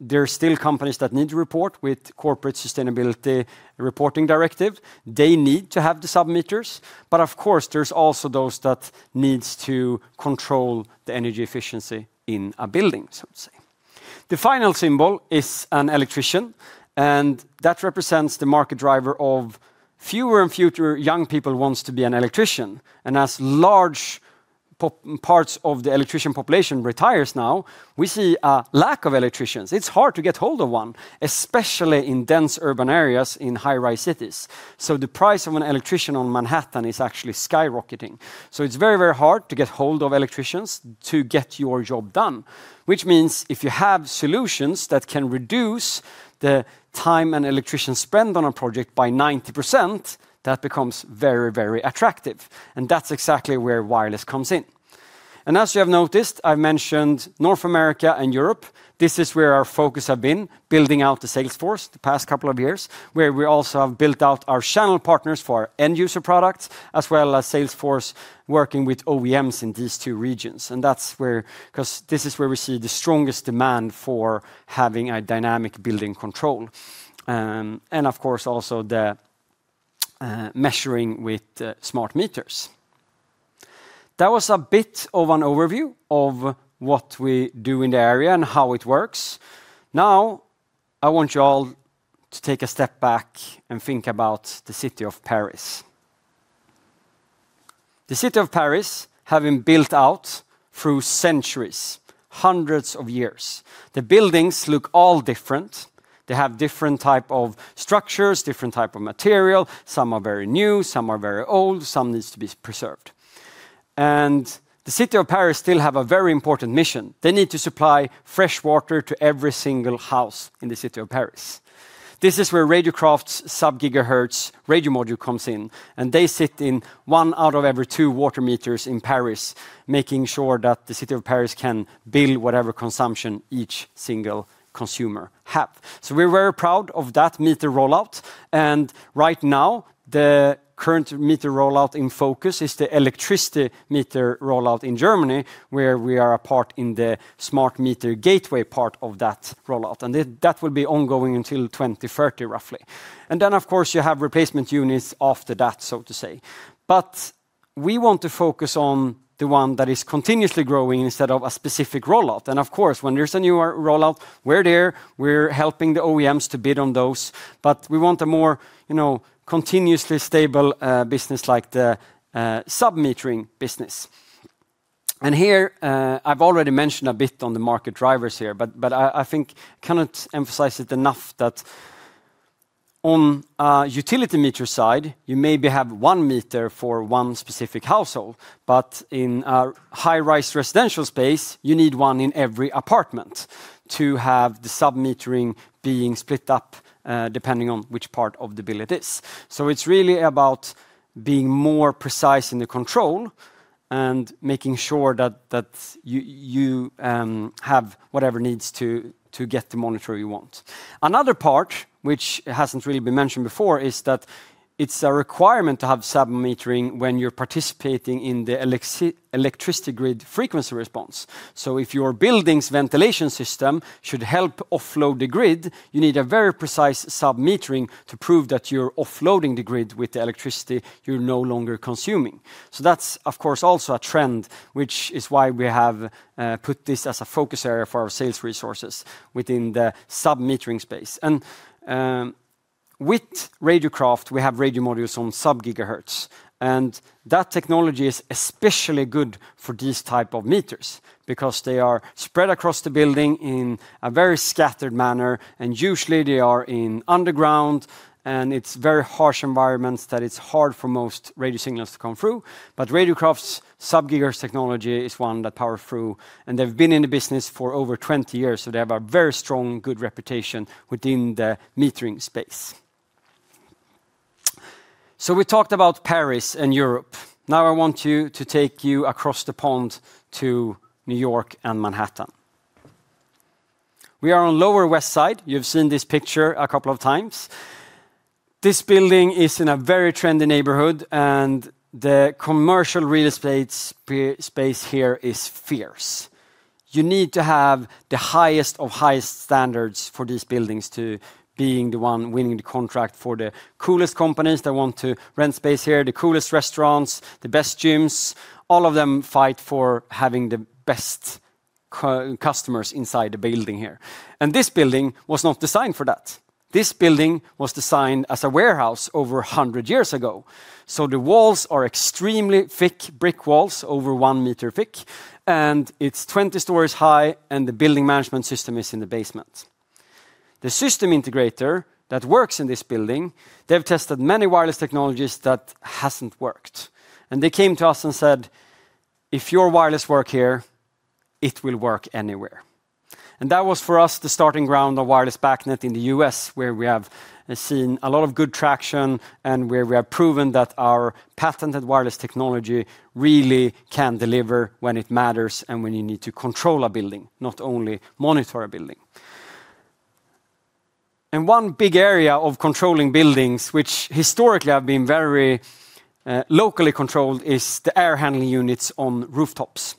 there are still companies that need to report with Corporate Sustainability Reporting Directive. They need to have the sub-meters, but of course, there's also those that needs to control the energy efficiency in a building, so to say. The final symbol is an electrician, and that represents the market driver of fewer and future young people wants to be an electrician. As large parts of the electrician population retires now, we see a lack of electricians. It's hard to get hold of one, especially in dense urban areas in high-rise cities. The price of an electrician on Manhattan is actually skyrocketing. It's very, very hard to get hold of electricians to get your job done, which means if you have solutions that can reduce the time an electrician spend on a project by 90%, that becomes very, very attractive, and that's exactly where wireless comes in. As you have noticed, I've mentioned North America and Europe. This is where our focus have been, building out the sales force the past couple of years, where we also have built out our channel partners for our end user products, as well as sales force working with OEMs in these two regions. That's where, 'cause this is where we see the strongest demand for having a dynamic building control. Of course also the measuring with smart meters. That was a bit of an overview of what we do in the area and how it works. Now, I want you all to take a step back and think about the city of Paris. The city of Paris have been built out through centuries, hundreds of years. The buildings look all different. They have different type of structures, different type of material. Some are very new, some are very old, some needs to be preserved. The city of Paris still have a very important mission. They need to supply fresh water to every single house in the city of Paris. This is where Radiocrafts's sub-gigahertz radio module comes in, and they sit in one out of every two water meters in Paris, making sure that the city of Paris can bill whatever consumption each single consumer have. We're very proud of that meter rollout, and right now the current meter rollout in focus is the electricity meter rollout in Germany, where we are a part in the smart meter gateway part of that rollout. That will be ongoing until 2030, roughly. Then of course you have replacement units after that, so to say. We want to focus on the one that is continuously growing instead of a specific rollout. Of course, when there's a newer rollout, we're there, we're helping the OEMs to bid on those. But we want a more, you know, continuously stable business like the sub-metering business. Here, I've already mentioned a bit on the market drivers here, but I think cannot emphasize it enough that on a utility meter side, you maybe have one meter for one specific household. But in a high-rise residential space, you need one in every apartment to have the sub-metering being split up, depending on which part of the bill it is. It's really about being more precise in the control and making sure that you have whatever needs to get the monitor you want. Another part which hasn't really been mentioned before is that it's a requirement to have sub-metering when you're participating in the electricity grid frequency response. If your building's ventilation system should help offload the grid, you need a very precise sub-metering to prove that you're offloading the grid with the electricity you're no longer consuming. That's, of course, also a trend, which is why we have put this as a focus area for our sales resources within the sub-metering space. With Radiocrafts, we have radio modules on sub-gigahertz, and that technology is especially good for these type of meters because they are spread across the building in a very scattered manner, and usually they are in underground, and it's very harsh environments that it's hard for most radio signals to come through. Radiocrafts' sub-gigahertz technology is one that power through, and they've been in the business for over 20 years, so they have a very strong, good reputation within the metering space. We talked about Paris and Europe. Now I want to take you across the pond to New York and Manhattan. We are on Lower West Side. You've seen this picture a couple of times. This building is in a very trendy neighborhood, and the commercial real estate space here is fierce. You need to have the highest of highest standards for these buildings to being the one winning the contract for the coolest companies that want to rent space here, the coolest restaurants, the best gyms. All of them fight for having the best customers inside the building here. This building was not designed for that. This building was designed as a warehouse over 100 years ago. The walls are extremely thick brick walls, over one meter thick, and it's 20 stories high, and the building management system is in the basement. The system integrator that works in this building, they've tested many wireless technologies that hasn't worked. They came to us and said, "If your wireless work here, it will work anywhere." That was for us the starting ground of wireless BACnet in the U.S., where we have seen a lot of good traction and where we have proven that our patented wireless technology really can deliver when it matters and when you need to control a building, not only monitor a building. One big area of controlling buildings, which historically have been very, locally controlled, is the air handling units on rooftops.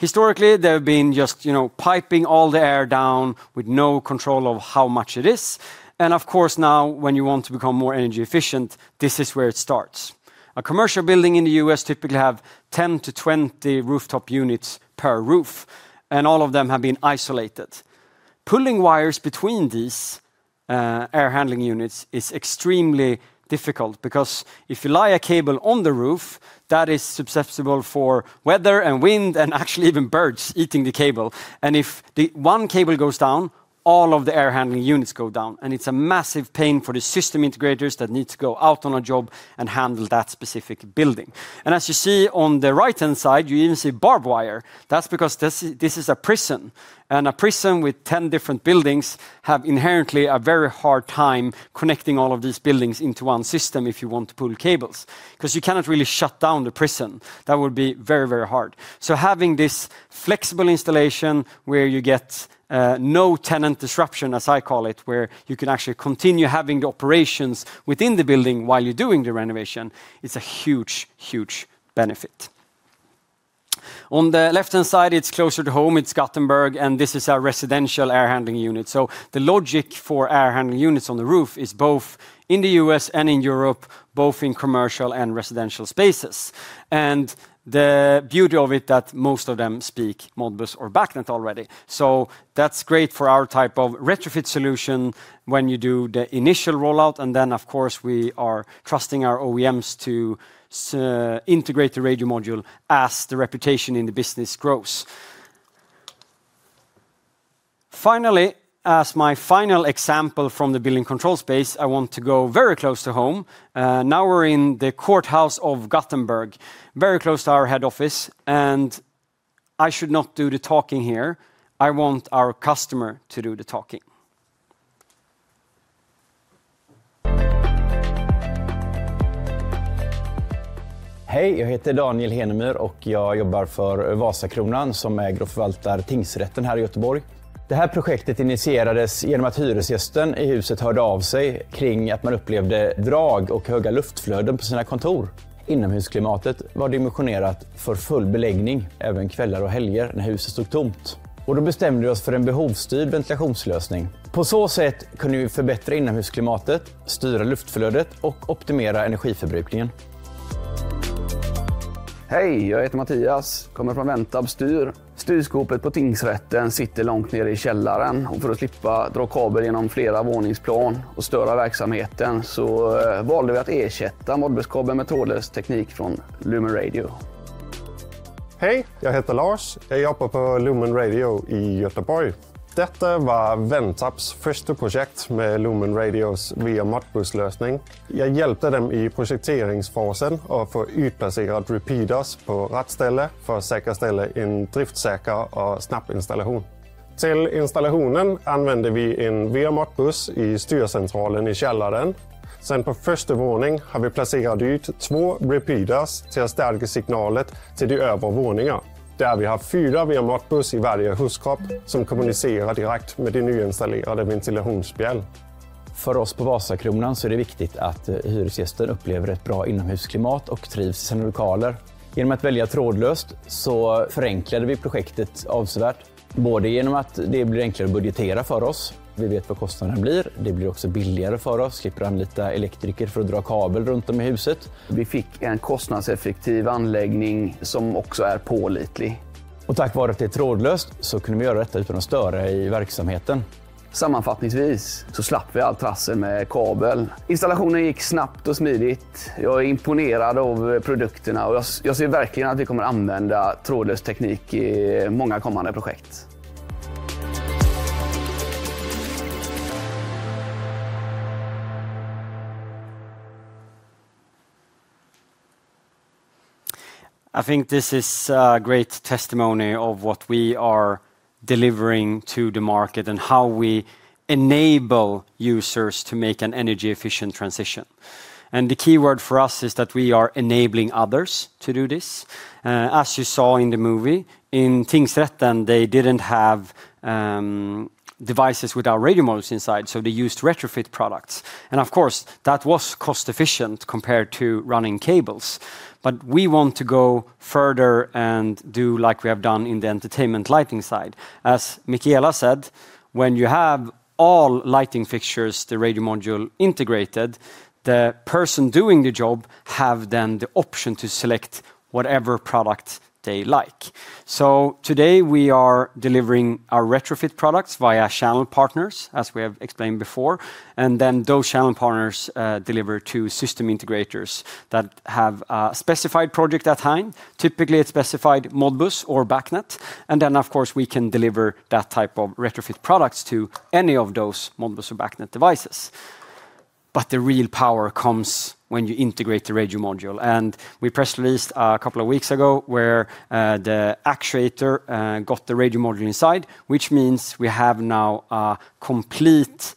Historically, they've been just, you know, piping all the air down with no control of how much it is. Of course, now when you want to become more energy efficient, this is where it starts. A commercial building in the U.S. typically have 10-20 rooftop units per roof, and all of them have been isolated. Pulling wires between these, air handling units is extremely difficult because if you lay a cable on the roof, that is susceptible for weather and wind and actually even birds eating the cable. If the one cable goes down, all of the air handling units go down. It's a massive pain for the system integrators that need to go out on a job and handle that specific building. As you see on the right-hand side, you even see barbed wire. That's because this is a prison, and a prison with 10 different buildings have inherently a very hard time connecting all of these buildings into one system if you want to pull cables. 'Cause you cannot really shut down the prison. That would be very, very hard. Having this flexible installation where you get no tenant disruption, as I call it, where you can actually continue having the operations within the building while you're doing the renovation, is a huge, huge benefit. On the left-hand side, it's closer to home. It's Gothenburg, and this is our residential air handling unit. The logic for air handling units on the roof is both in the U.S. and in Europe, both in commercial and residential spaces. The beauty of it that most of them speak Modbus or BACnet already. That's great for our type of retrofit solution when you do the initial rollout. Then, of course, we are trusting our OEMs to integrate the radio module as the reputation in the business grows. Finally, as my final example from the building control space, I want to go very close to home. Now we're in the courthouse of Gothenburg, very close to our head office, and I should not do the talking here. I want our customer to do the talking. Hi, my name is Daniel Henemyr, and I work for Vasakronan, which owns and manages the courthouse here in Gothenburg. This project was initiated by the tenant in the building who contacted us about experiencing drafts and high air flows in their offices. The indoor climate was designed for full occupancy, even evenings and weekends when the building was empty. Then we decided on a demand-controlled ventilation solution. This way, we could improve the indoor climate, control the air flow, and optimize energy consumption. Hi, my name is Mattias, I come from Ventab Styr. The control cabinet at the courthouse is located far down in the basement, and to avoid pulling cables through several floors and disturbing the operations, we chose to replace the Modbus cable with wireless technology from LumenRadio. Hey, jag heter Lars. Jag jobbar på LumenRadio i Göteborg. Detta var Ventabs första projekt med LumenRadios W-Modbus-lösning. Jag hjälpte dem i projekteringsfasen att få utplacerat repeaters på rätt ställe för att säkerställa en driftsäker och snabb installation. Till installationen använder vi en W-Modbus i styrcentralen i källaren. Sen på första våning har vi placerat ut two repeaters till att stärka signalet till de övre våningar. Där vi har four W-Modbus i varje huskropp som kommunicerar direkt med det nyinstallerade ventilationsspjäll. För oss på Vasakronan så är det viktigt att hyresgästen upplever ett bra inomhusklimat och trivs i sina lokaler. Genom att välja trådlöst så förenklade vi projektet avsevärt. Både genom att det blir enklare att budgetera för oss. Vi vet vad kostnaden blir. Det blir också billigare för oss. Slipper anlita elektriker för att dra kabel runt om i huset. Vi fick en kostnadseffektiv anläggning som också är pålitlig. Tack vare att det är trådlöst så kunde vi göra detta utan att störa i verksamheten. Sammanfattningsvis så slapp vi all trassel med kabel. Installationen gick snabbt och smidigt. Jag är imponerad av produkterna och jag ser verkligen att vi kommer använda trådlös teknik i många kommande projekt. I think this is a great testimony of what we are delivering to the market and how we enable users to make an energy-efficient transition. The key word for us is that we are enabling others to do this. As you saw in the movie, in Tingsrätten they didn't have devices with our radio modules inside, so they used retrofit products. Of course, that was cost-efficient compared to running cables. We want to go further and do like we have done in the entertainment lighting side. As Mikaela said, when you have all lighting fixtures, the radio module integrated, the person doing the job have then the option to select whatever product they like. Today, we are delivering our retrofit products via channel partners, as we have explained before. Those channel partners deliver to system integrators that have a specified project at hand, typically a specified Modbus or BACnet. Of course, we can deliver that type of retrofit products to any of those Modbus or BACnet devices. The real power comes when you integrate the radio module. We press released a couple of weeks ago where the actuator got the radio module inside, which means we have now a complete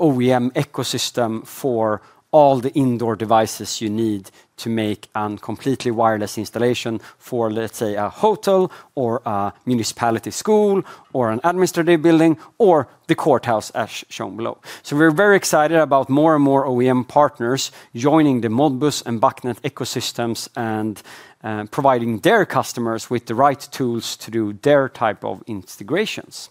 OEM ecosystem for all the indoor devices you need to make a completely wireless installation for, let's say, a hotel or a municipality school or an administrative building or the courthouse as shown below. We're very excited about more and more OEM partners joining the Modbus and BACnet ecosystems and providing their customers with the right tools to do their type of integrations.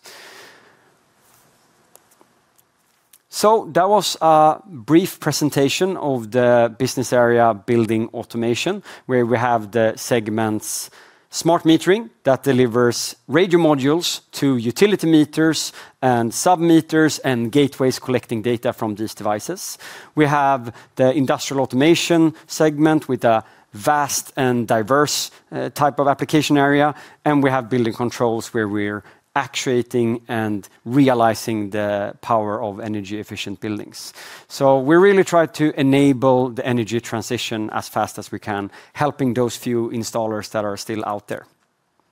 That was a brief presentation of the business area building automation, where we have the segments smart metering that delivers radio modules to utility meters and sub-meters and gateways collecting data from these devices. We have the industrial automation segment with a vast and diverse type of application area. We have building controls where we're actuating and realizing the power of energy-efficient buildings. We really try to enable the energy transition as fast as we can, helping those few installers that are still out there.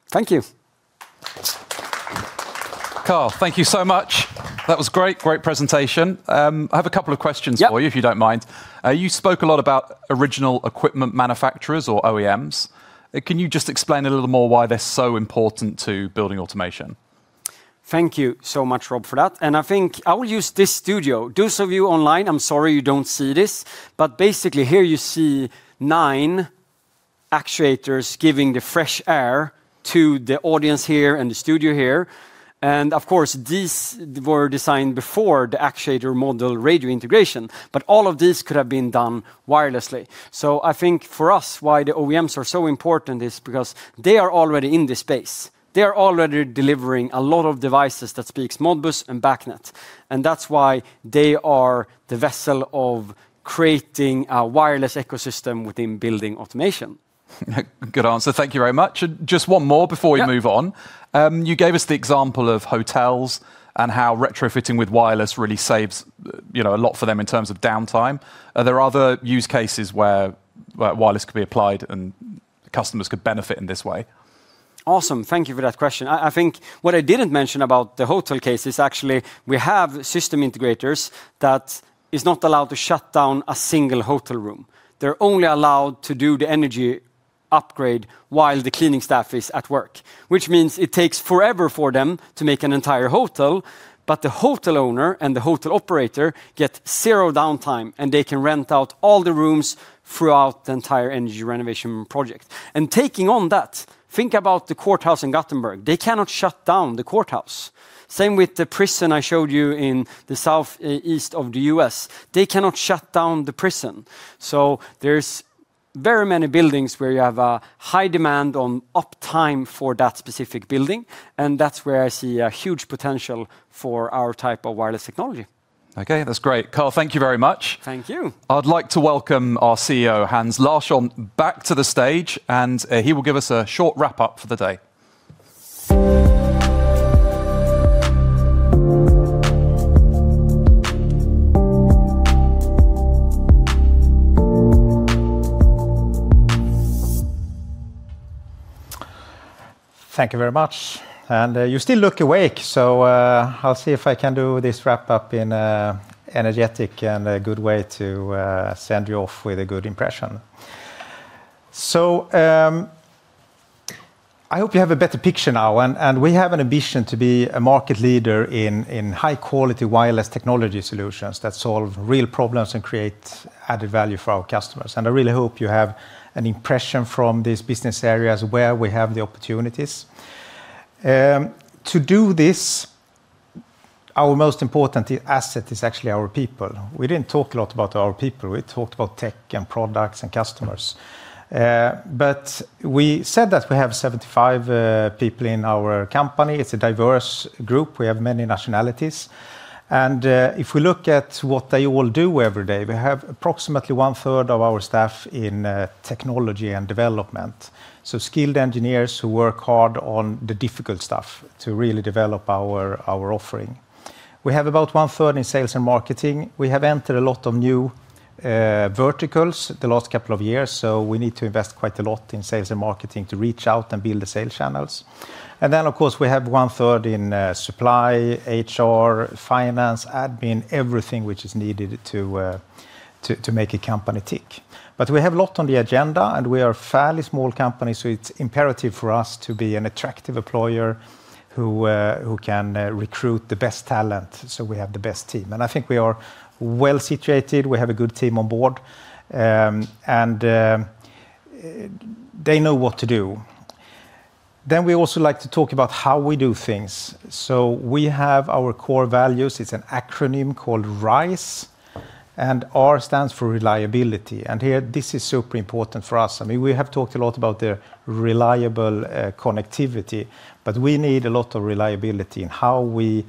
Thank you. Carl, thank you so much. That was great. Great presentation. I have a couple of questions. Yep. for you if you don't mind. You spoke a lot about original equipment manufacturers or OEMs. Can you just explain a little more why they're so important to building automation? Thank you so much, Rob, for that. I think I will use this studio. Those of you online, I'm sorry you don't see this, but basically here you see nine actuators giving the fresh air to the audience here and the studio here. Of course, these were designed before the actuator module radio integration, but all of these could have been done wirelessly. I think for us, why the OEMs are so important is because they are already in this space. They are already delivering a lot of devices that speaks Modbus and BACnet. That's why they are the vessel of creating a wireless ecosystem within building automation. Good answer. Thank you very much. Just one more before we move on. Yep. You gave us the example of hotels and how retrofitting with wireless really saves, you know, a lot for them in terms of downtime. Are there other use cases where wireless could be applied and customers could benefit in this way? Awesome. Thank you for that question. I think what I didn't mention about the hotel case is actually we have system integrators that is not allowed to shut down a single hotel room. They're only allowed to do the energy upgrade while the cleaning staff is at work, which means it takes forever for them to make an entire hotel, but the hotel owner and the hotel operator get zero downtime, and they can rent out all the rooms throughout the entire energy renovation project. Taking on that, think about the courthouse in Gothenburg. They cannot shut down the courthouse. Same with the prison I showed you in the southeast of the U.S. They cannot shut down the prison. There's very many buildings where you have a high demand on uptime for that specific building, and that's where I see a huge potential for our type of wireless technology. Okay, that's great. Carl, thank you very much. Thank you. I'd like to welcome our CEO, Hans Larsson, back to the stage, and he will give us a short wrap-up for the day. Thank you very much. You still look awake. I'll see if I can do this wrap-up in an energetic and good way to send you off with a good impression. I hope you have a better picture now and we have an ambition to be a market leader in high-quality wireless technology solutions that solve real problems and create added value for our customers. I really hope you have an impression from these business areas where we have the opportunities. To do this, our most important asset is actually our people. We didn't talk a lot about our people. We talked about tech and products and customers. We said that we have 75 people in our company. It's a diverse group. We have many nationalities. If we look at what they all do every day, we have approximately one-third of our staff in technology and development, so skilled engineers who work hard on the difficult stuff to really develop our offering. We have about one-third in sales and marketing. We have entered a lot of new verticals the last couple of years, so we need to invest quite a lot in sales and marketing to reach out and build the sales channels. Of course, we have one-third in supply, HR, finance, admin, everything which is needed to make a company tick. We have a lot on the agenda, and we are a fairly small company, so it's imperative for us to be an attractive employer who can recruit the best talent so we have the best team. I think we are well-situated. We have a good team on board, they know what to do. We also like to talk about how we do things. We have our core values. It's an acronym called RISE, R stands for reliability. Here, this is super important for us. I mean, we have talked a lot about the reliable connectivity, but we need a lot of reliability in how we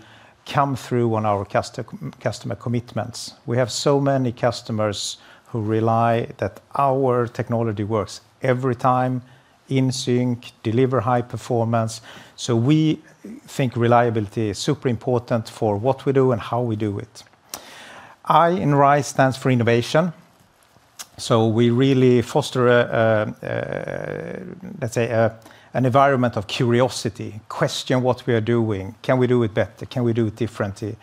come through on our customer commitments. We have so many customers who rely that our technology works every time, in sync, deliver high performance. We think reliability is super important for what we do and how we do it. I in RISE stands for innovation. We really foster, let's say, an environment of curiosity. Question what we are doing. Can we do it better? Can we do it differently?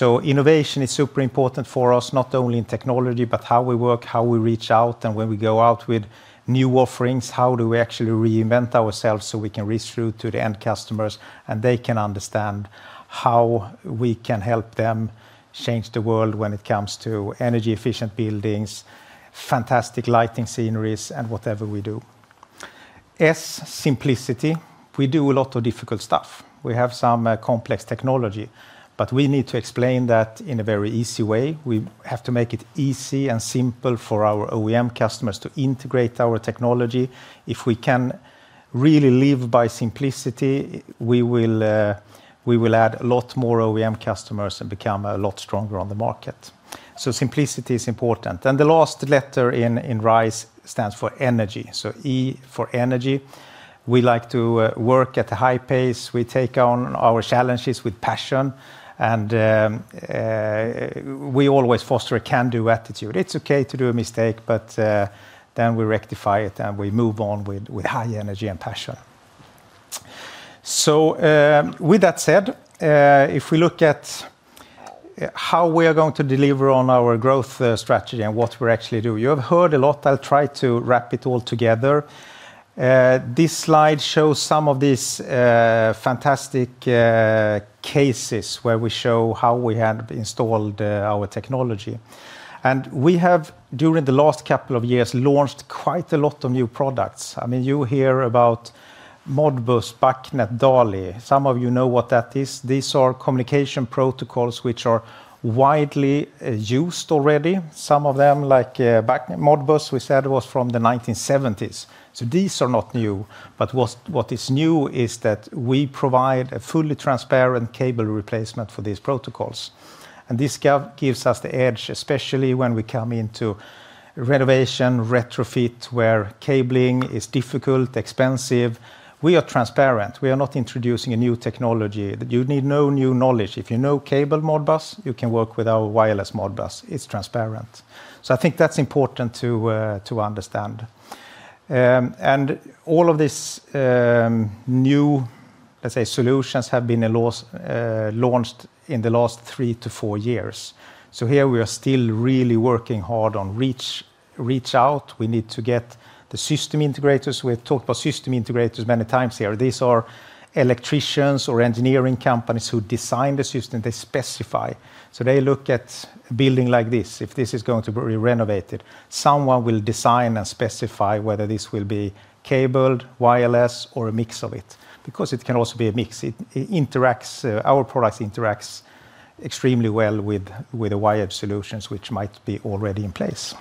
Innovation is super important for us, not only in technology but how we work, how we reach out, and when we go out with new offerings, how do we actually reinvent ourselves so we can reach through to the end customers, and they can understand how we can help them change the world when it comes to energy-efficient buildings, fantastic lighting sceneries, and whatever we do. S, simplicity. We do a lot of difficult stuff. We have some complex technology, but we need to explain that in a very easy way. We have to make it easy and simple for our OEM customers to integrate our technology. If we can really live by simplicity, we will add a lot more OEM customers and become a lot stronger on the market. Simplicity is important. The last letter in RISE stands for energy, so E for energy. We like to work at a high pace. We take on our challenges with passion and we always foster a can-do attitude. It's okay to do a mistake, but then we rectify it, and we move on with high energy and passion. With that said, if we look at how we are going to deliver on our growth strategy and what we actually do. You have heard a lot. I'll try to wrap it all together. This slide shows some of these fantastic cases where we show how we have installed our technology. We have, during the last couple of years, launched quite a lot of new products. I mean, you hear about Modbus, BACnet, DALI. Some of you know what that is. These are communication protocols which are widely used already. Some of them, like BACnet, Modbus, we said was from the 1970s. These are not new. What is new is that we provide a fully transparent cable replacement for these protocols. This gives us the edge, especially when we come into renovation, retrofit, where cabling is difficult, expensive. We are transparent. We are not introducing a new technology. You need no new knowledge. If you know cable Modbus, you can work with our wireless Modbus. It's transparent. I think that's important to understand. All of these new, let's say, solutions have been launched in the last three-four years. Here we are still really working hard on reach out. We need to get the system integrators. We have talked about system integrators many times here. These are electricians or engineering companies who design the system they specify. They look at a building like this. If this is going to be renovated, someone will design and specify whether this will be cabled, wireless, or a mix of it. Because it can also be a mix. Our product interacts extremely well with the wired solutions which might be already in place.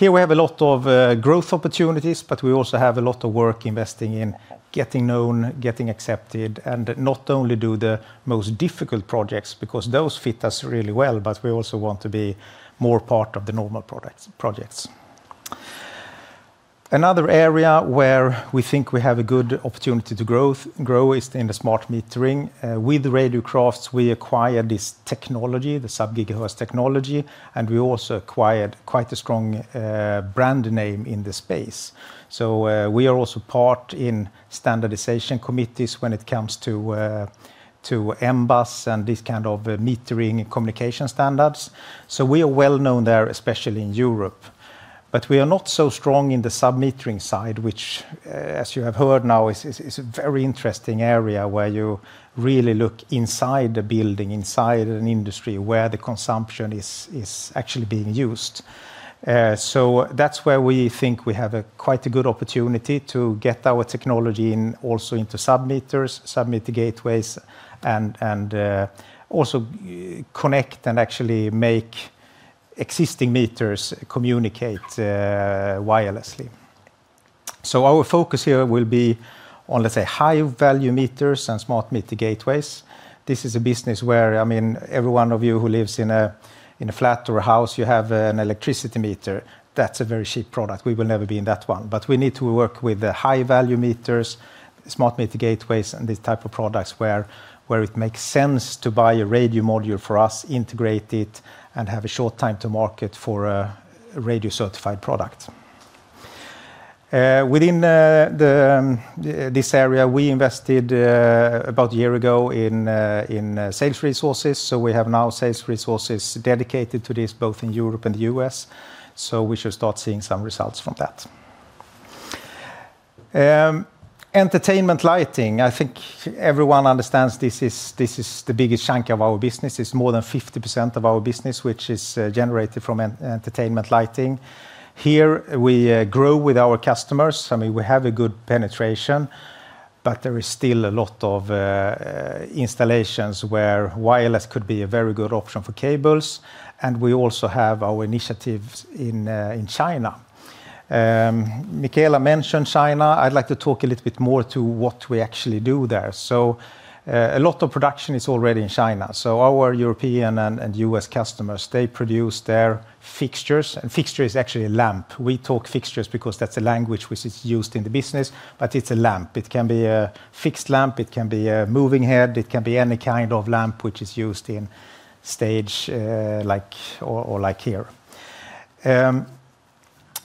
Here we have a lot of growth opportunities, but we also have a lot of work investing in getting known, getting accepted, and not only do the most difficult projects because those fit us really well, but we also want to be more part of the normal projects. Another area where we think we have a good opportunity to grow is in the smart metering. With Radiocrafts we acquired this technology, the sub-gigahertz technology, and we also acquired quite a strong brand name in the space. We are also part in standardization committees when it comes to M-Bus and this kind of metering and communication standards. We are well-known there, especially in Europe, but we are not so strong in the sub-metering side, which as you have heard now is a very interesting area where you really look inside the building, inside an industry where the consumption is actually being used. That's where we think we have quite a good opportunity to get our technology in, also into sub-meters, sub-meter gateways and also connect and actually make existing meters communicate wirelessly. Our focus here will be on, let's say, high-value meters and smart meter gateways. This is a business where, I mean, every one of you who lives in a flat or a house, you have an electricity meter. That's a very cheap product. We will never be in that one. We need to work with the high-value meters, smart meter gateways, and these type of products where it makes sense to buy a radio module for us, integrate it, and have a short time to market for a radio-certified product. Within this area, we invested about a year ago in sales resources, so we have now sales resources dedicated to this, both in Europe and the U.S., so we should start seeing some results from that. Entertainment lighting, I think everyone understands this is the biggest chunk of our business. It's more than 50% of our business, which is generated from entertainment lighting. Here we grow with our customers. I mean, we have a good penetration, but there is still a lot of installations where wireless could be a very good option for cables, and we also have our initiatives in China. Mikaela mentioned China. I'd like to talk a little bit more to what we actually do there. A lot of production is already in China, so our European and U.S. customers, they produce their fixtures. A fixture is actually a lamp. We talk fixtures because that's the language which is used in the business, but it's a lamp. It can be a fixed lamp. It can be a moving head. It can be any kind of lamp which is used in stage, like, or like here.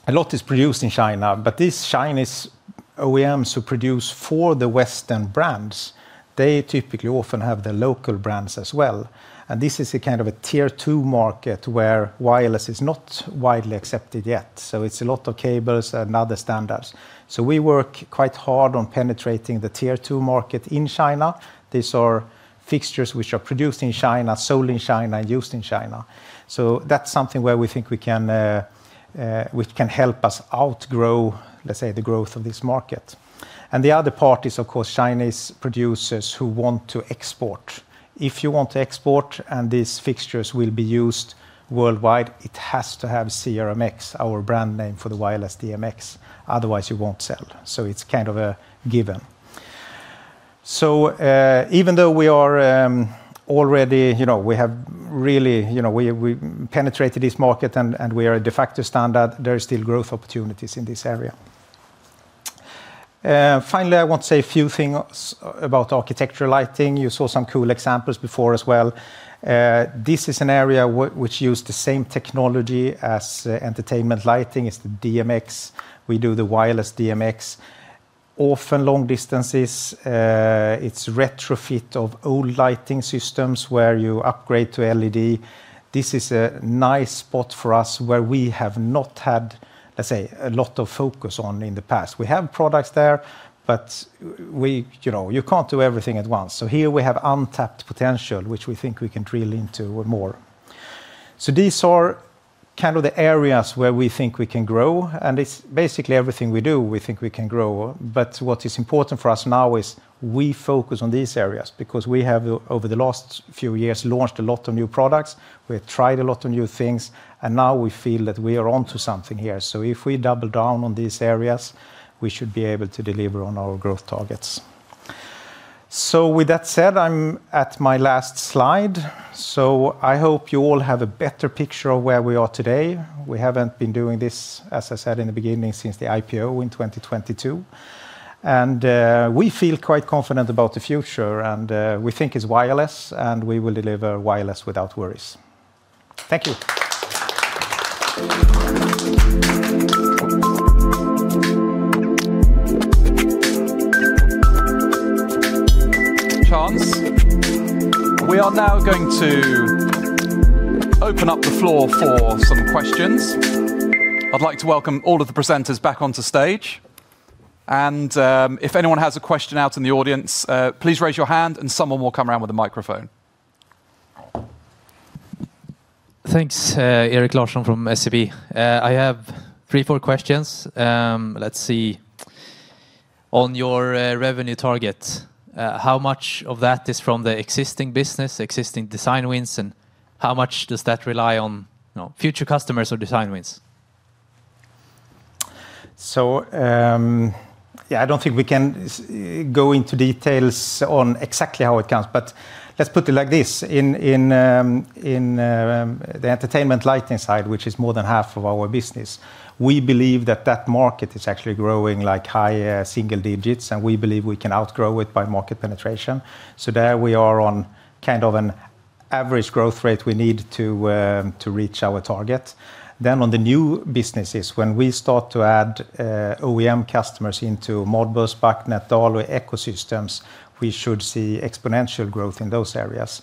A lot is produced in China, but these Chinese OEMs who produce for the Western brands, they typically often have their local brands as well. This is a kind of a tier two market where wireless is not widely accepted yet. It's a lot of cables and other standards. We work quite hard on penetrating the tier two market in China. These are fixtures which are produced in China, sold in China, and used in China. That's something where we think we can, which can help us outgrow, let's say, the growth of this market. The other part is, of course, Chinese producers who want to export. If you want to export and these fixtures will be used worldwide, it has to have CRMX, our brand name for the wireless DMX. Otherwise, you won't sell. It's kind of a given. Even though we are already, you know, we have really, you know, we penetrated this market and we are a de facto standard, there is still growth opportunities in this area. Finally, I want to say a few things about architectural lighting. You saw some cool examples before as well. This is an area which uses the same technology as entertainment lighting. It's the DMX. We do the wireless DMX. Often long distances. It's retrofit of old lighting systems where you upgrade to LED. This is a nice spot for us where we have not had, let's say, a lot of focus on in the past. We have products there, but you know, you can't do everything at once. Here we have untapped potential, which we think we can drill into more. These are kind of the areas where we think we can grow, and it's basically everything we do, we think we can grow. What is important for us now is we focus on these areas because we have, over the last few years, launched a lot of new products. We have tried a lot of new things, and now we feel that we are onto something here. If we double down on these areas, we should be able to deliver on our growth targets. With that said, I'm at my last slide. I hope you all have a better picture of where we are today. We haven't been doing this, as I said in the beginning, since the IPO in 2022. We feel quite confident about the future and we think it's wireless, and we will deliver wireless without worries. Thank you. Thanks. We are now going to open up the floor for some questions. I'd like to welcome all of the presenters back onto stage. If anyone has a question out in the audience, please raise your hand and someone will come around with a microphone. Thanks. Erik Larsson from SEB. I have three, four questions. Let's see. On your revenue target, how much of that is from the existing business, existing design wins, and how much does that rely on, you know, future customers or design wins? I don't think we can go into details on exactly how it comes, but let's put it like this. In the entertainment lighting side, which is more than half of our business, we believe that that market is actually growing like high single digits, and we believe we can outgrow it by market penetration. There we are on kind of an average growth rate we need to reach our target. Then on the new businesses, when we start to add OEM customers into Modbus, BACnet, DALI ecosystems, we should see exponential growth in those areas.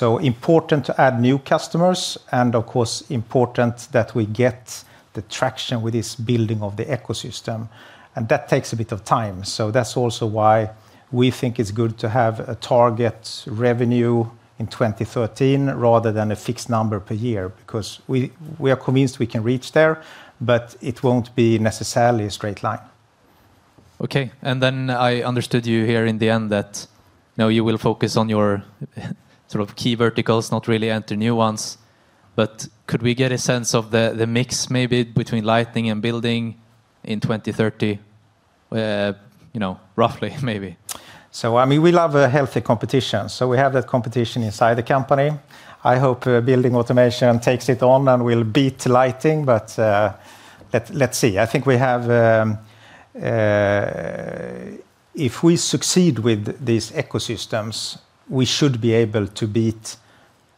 Important to add new customers and of course important that we get the traction with this building of the ecosystem, and that takes a bit of time. That's also why we think it's good to have a target revenue in 2030 rather than a fixed number per year, because we are convinced we can reach there, but it won't be necessarily a straight line. Okay. Then I understood you here in the end that, you know, you will focus on your sort of key verticals, not really enter new ones. Could we get a sense of the mix maybe between lighting and building in 2030, you know, roughly maybe? I mean, we love a healthy competition, so we have that competition inside the company. I hope building automation takes it on and will beat lighting, but let's see. I think we have if we succeed with these ecosystems, we should be able to beat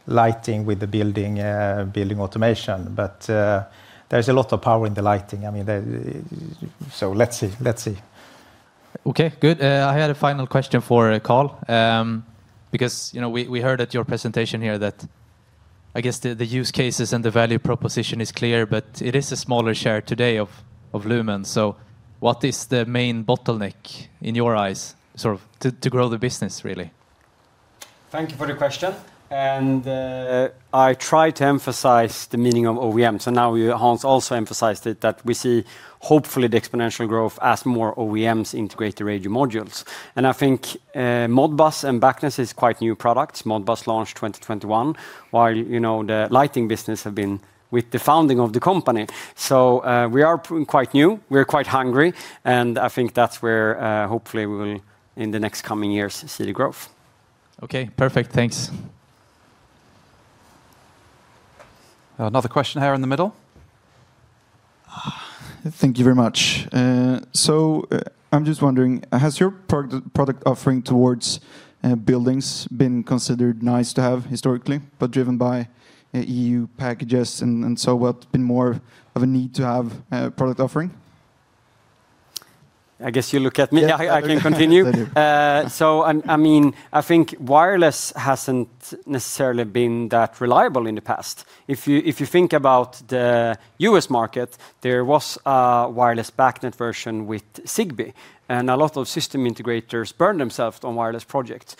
lighting with the building automation. There's a lot of power in the lighting. I mean. Let's see. Okay, good. I had a final question for Carl, because, you know, we heard at your presentation here that I guess the use cases and the value proposition is clear, but it is a smaller share today of Lumen. What is the main bottleneck in your eyes, sort of to grow the business really? Thank you for the question. I tried to emphasize the meaning of OEMs, and now you, Hans, also emphasized it, that we see hopefully the exponential growth as more OEMs integrate the radio modules. I think Modbus and BACnet is quite new products. Modbus launched 2021, while you know, the lighting business have been with the founding of the company. We are quite new, we're quite hungry, and I think that's where hopefully we will in the next coming years see the growth. Okay, perfect. Thanks. Another question here in the middle. Thank you very much. I'm just wondering, has your product offering towards buildings been considered nice to have historically, but driven by EU packages and so what's been more of a need to have, product offering? I guess you look at me. Yeah. I can continue. Thank you. I mean, I think wireless hasn't necessarily been that reliable in the past. If you think about the U.S. market, there was a wireless BACnet version with Zigbee, and a lot of system integrators burned themselves on wireless projects.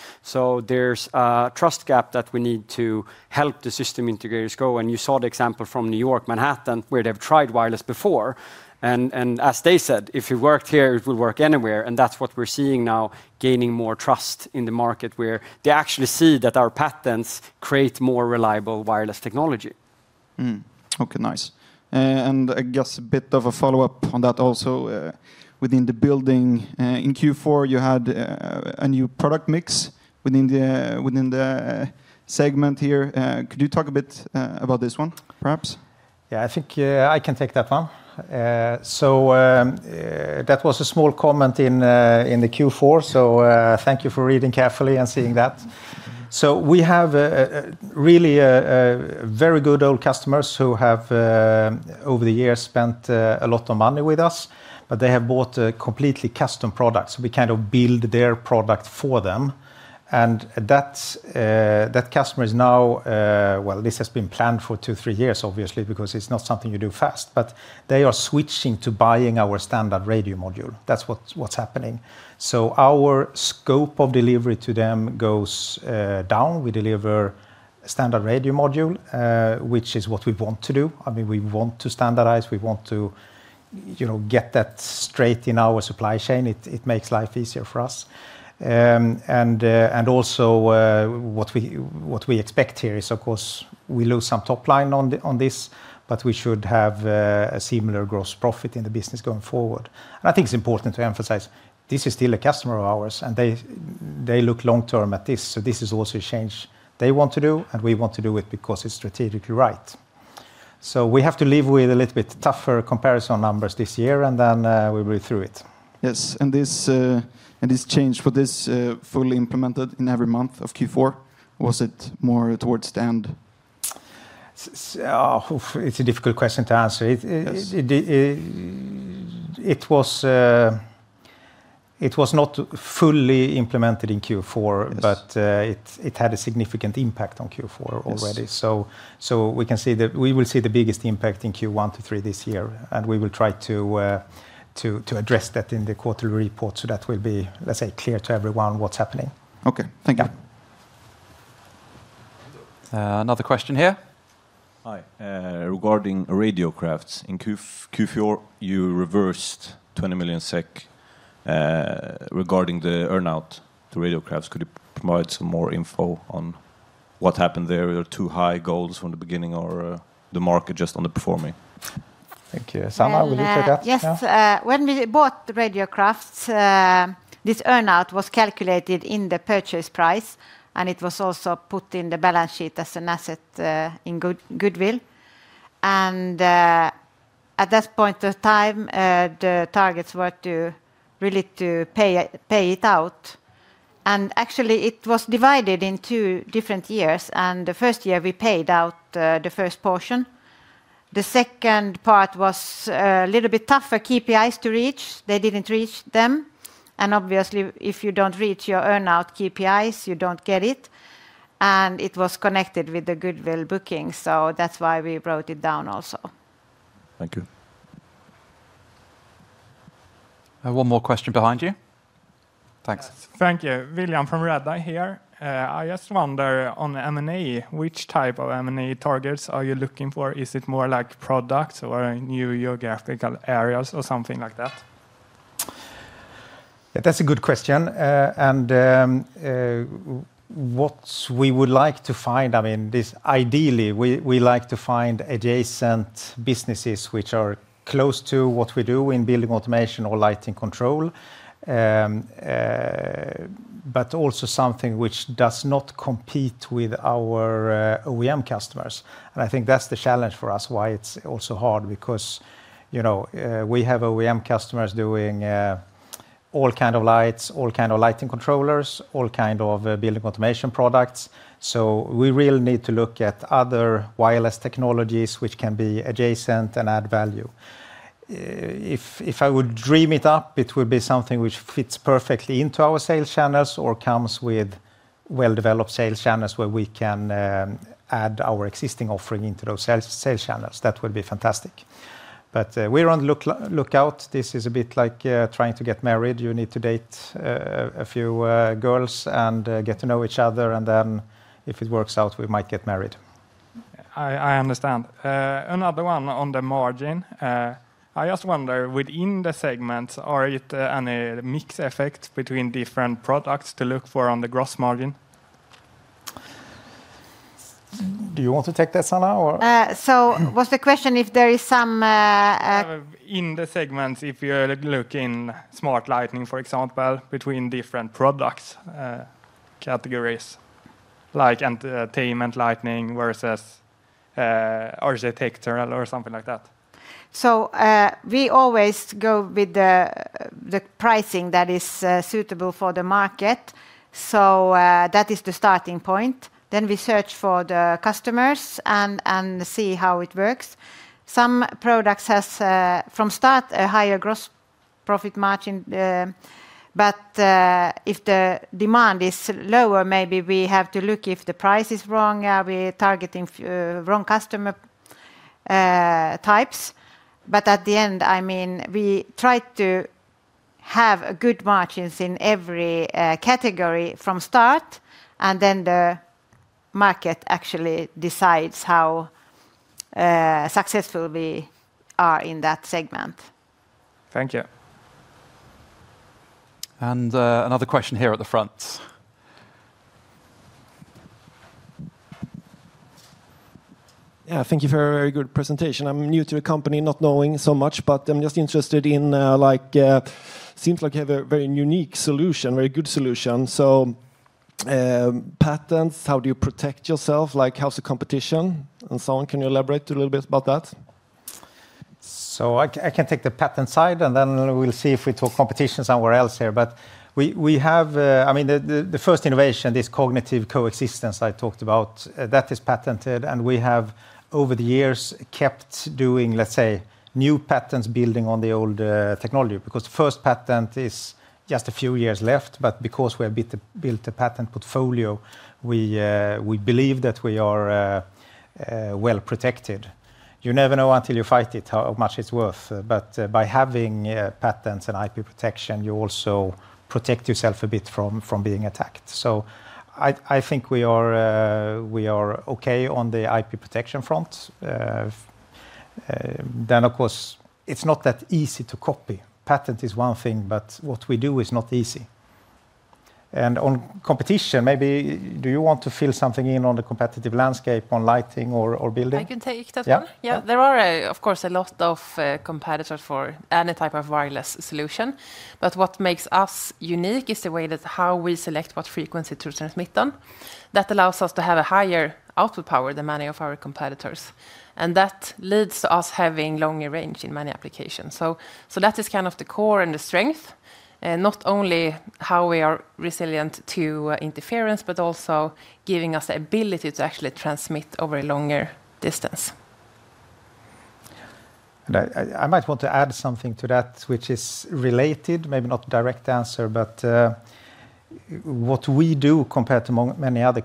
There's a trust gap that we need to help the system integrators grow. You saw the example from New York, Manhattan, where they've tried wireless before. As they said, "If it worked here, it will work anywhere." That's what we're seeing now, gaining more trust in the market where they actually see that our patents create more reliable wireless technology. Okay, nice. I guess a bit of a follow-up on that also, within the building, in Q4, you had a new product mix within the segment here. Could you talk a bit about this one perhaps? Yeah, I think I can take that one. That was a small comment in the Q4, so thank you for reading carefully and seeing that. We have really very good old customers who have over the years spent a lot of money with us, but they have bought completely custom products. We kind of build their product for them. That customer is now, well, this has been planned for two, three years, obviously, because it is not something you do fast, but they are switching to buying our standard radio module. That is what is happening. Our scope of delivery to them goes down. We deliver a standard radio module, which is what we want to do. I mean, we want to standardize, you know, get that straight in our supply chain. It makes life easier for us. What we expect here is, of course, we lose some top line on this, but we should have a similar gross profit in the business going forward. I think it's important to emphasize this is still a customer of ours, and they look long-term at this. This is also a change they want to do, and we want to do it because it's strategically right. We have to live with a little bit tougher comparison numbers this year, and then we'll be through it. Yes. This change for this fully implemented in every month of Q4, or was it more towards the end? It's a difficult question to answer. Yes. It was not fully implemented in Q4. Yes. It had a significant impact on Q4 already. Yes. We can say that we will see the biggest impact in Q1 to Q3 this year, and we will try to address that in the quarterly report. That will be, let's say, clear to everyone what's happening. Okay. Thank you. Another question here. Hi. Regarding Radiocrafts, in Q4, you reversed 20 million SEK regarding the earn-out to Radiocrafts. Could you provide some more info on what happened there? Were too high goals from the beginning or the market just underperforming? Thank you. Sanna, will you take that now? Yes. When we bought Radiocrafts, this earn-out was calculated in the purchase price, and it was also put in the balance sheet as an asset, in goodwill. At this point of time, the targets were really to pay it out, and actually it was divided in two different years, and the first year we paid out the first portion. The second part was a little bit tougher KPIs to reach. They didn't reach them, and obviously, if you don't reach your earn-out KPIs, you don't get it, and it was connected with the goodwill booking, so that's why we wrote it down also. Thank you. I have one more question behind you. Thanks. Thank you. William from Redeye here. I just wonder on the M&A, which type of M&A targets are you looking for? Is it more like products or new geographical areas or something like that? That's a good question. What we would like to find, I mean, this ideally, we like to find adjacent businesses which are close to what we do in building automation or lighting control, but also something which does not compete with our OEM customers. I think that's the challenge for us, why it's also hard because, you know, we have OEM customers doing all kind of lights, all kind of lighting controllers, all kind of building automation products. We really need to look at other wireless technologies which can be adjacent and add value. If I would dream it up, it would be something which fits perfectly into our sales channels or comes with well-developed sales channels where we can add our existing offering into those sales channels. That would be fantastic. We're on lookout. This is a bit like trying to get married. You need to date a few girls and get to know each other, and then if it works out, we might get married. I understand. Another one on the margin. I just wonder, within the segments, is there any mix effect between different products to look for on the gross margin? Do you want to take that, Sanna, or? Was the question if there is some? In the segments, if you're looking at smart lighting, for example, between different products, categories, like entertainment lighting versus architectural or something like that. We always go with the pricing that is suitable for the market. That is the starting point. Then we search for the customers and see how it works. Some products has from start a higher gross profit margin, but if the demand is lower, maybe we have to look if the price is wrong. Are we targeting wrong customer types? At the end, I mean, we try to have good margins in every category from start, and then the market actually decides how successful we are in that segment. Thank you. Another question here at the front. Yeah. Thank you for a very good presentation. I'm new to the company, not knowing so much, but I'm just interested in, like, seems like you have a very unique solution, very good solution. Patents, how do you protect yourself? Like, how's the competition and so on? Can you elaborate a little bit about that? I can take the patent side, and then we'll see if we talk competition somewhere else here. We have, I mean, the first innovation, this Cognitive Coexistence I talked about, that is patented. We have over the years kept doing, let's say, new patents building on the old, technology. Because the first patent is just a few years left, but because we have built a patent portfolio, we believe that we are well-protected. You never know until you fight it, how much it's worth. By having patents and IP protection, you also protect yourself a bit from being attacked. I think we are okay on the IP protection front. Then of course, it's not that easy to copy. patent is one thing, but what we do is not easy. On competition, maybe do you want to fill something in on the competitive landscape on lighting or building? I can take that one. Yeah. Yeah. There are, of course, a lot of competitors for any type of wireless solution, but what makes us unique is the way that how we select what frequency to transmit on. That allows us to have a higher output power than many of our competitors, and that leads to us having longer range in many applications. That is kind of the core and the strength, not only how we are resilient to interference, but also giving us the ability to actually transmit over a longer distance. I might want to add something to that which is related, maybe not direct answer, but what we do compared to many other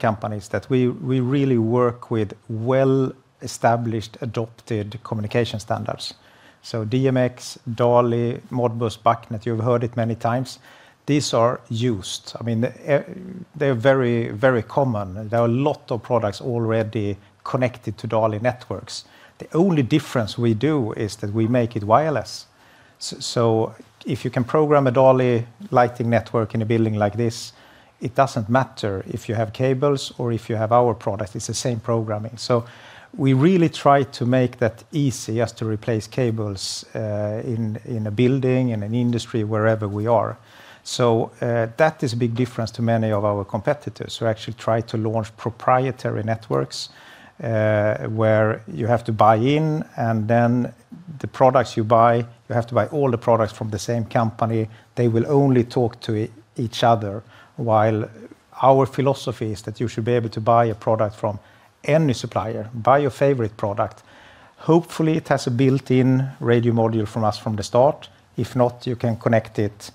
companies is that we really work with well-established adopted communication standards. So DMX, DALI, Modbus, BACnet, you've heard it many times. These are used. I mean, they're very common. There are a lot of products already connected to DALI networks. The only difference we do is that we make it wireless. So if you can program a DALI lighting network in a building like this, it doesn't matter if you have cables or if you have our product, it's the same programming. So we really try to make that easy to replace cables in a building, in an industry, wherever we are. That is a big difference to many of our competitors who actually try to launch proprietary networks, where you have to buy in, and then the products you buy, you have to buy all the products from the same company. They will only talk to each other. While our philosophy is that you should be able to buy a product from any supplier. Buy your favorite product. Hopefully, it has a built-in radio module from us from the start. If not, you can connect it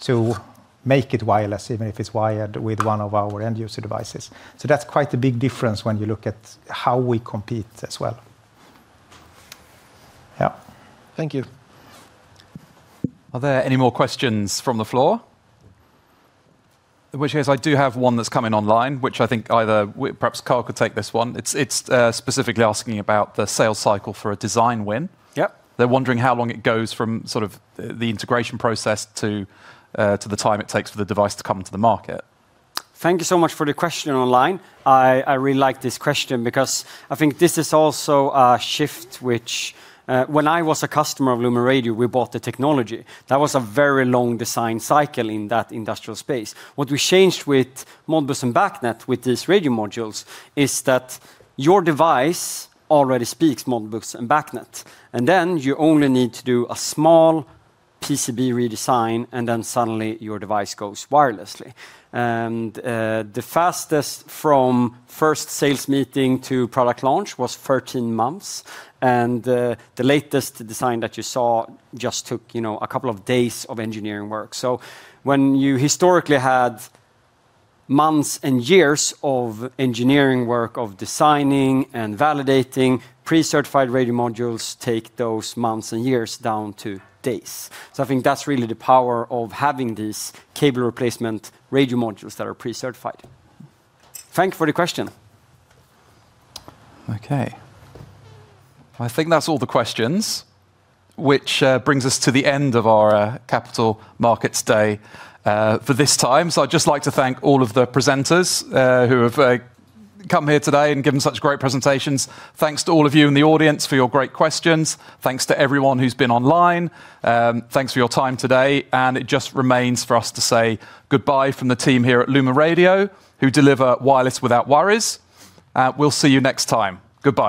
to make it wireless, even if it's wired with one of our end-user devices. That's quite a big difference when you look at how we compete as well. Yeah. Thank you. Are there any more questions from the floor? I do have one that's come in online, which I think either perhaps Carl could take this one. It's specifically asking about the sales cycle for a design win. Yep. They're wondering how long it goes from sort of the integration process to the time it takes for the device to come to the market. Thank you so much for the question online. I really like this question because I think this is also a shift which, when I was a customer of LumenRadio, we bought the technology. That was a very long design cycle in that industrial space. What we changed with Modbus and BACnet with these radio modules is that your device already speaks Modbus and BACnet, and then you only need to do a small PCB redesign, and then suddenly your device goes wirelessly. The fastest from first sales meeting to product launch was 13 months, and the latest design that you saw just took, you know, a couple of days of engineering work. When you historically had months and years of engineering work, of designing and validating, pre-certified radio modules take those months and years down to days. I think that's really the power of having these cable replacement radio modules that are pre-certified. Thank you for the question. Okay. I think that's all the questions which brings us to the end of our Capital Markets Day for this time. I'd just like to thank all of the presenters who have come here today and given such great presentations. Thanks to all of you in the audience for your great questions. Thanks to everyone who's been online. Thanks for your time today, and it just remains for us to say goodbye from the team here at LumenRadio who deliver wireless without worries. We'll see you next time. Goodbye.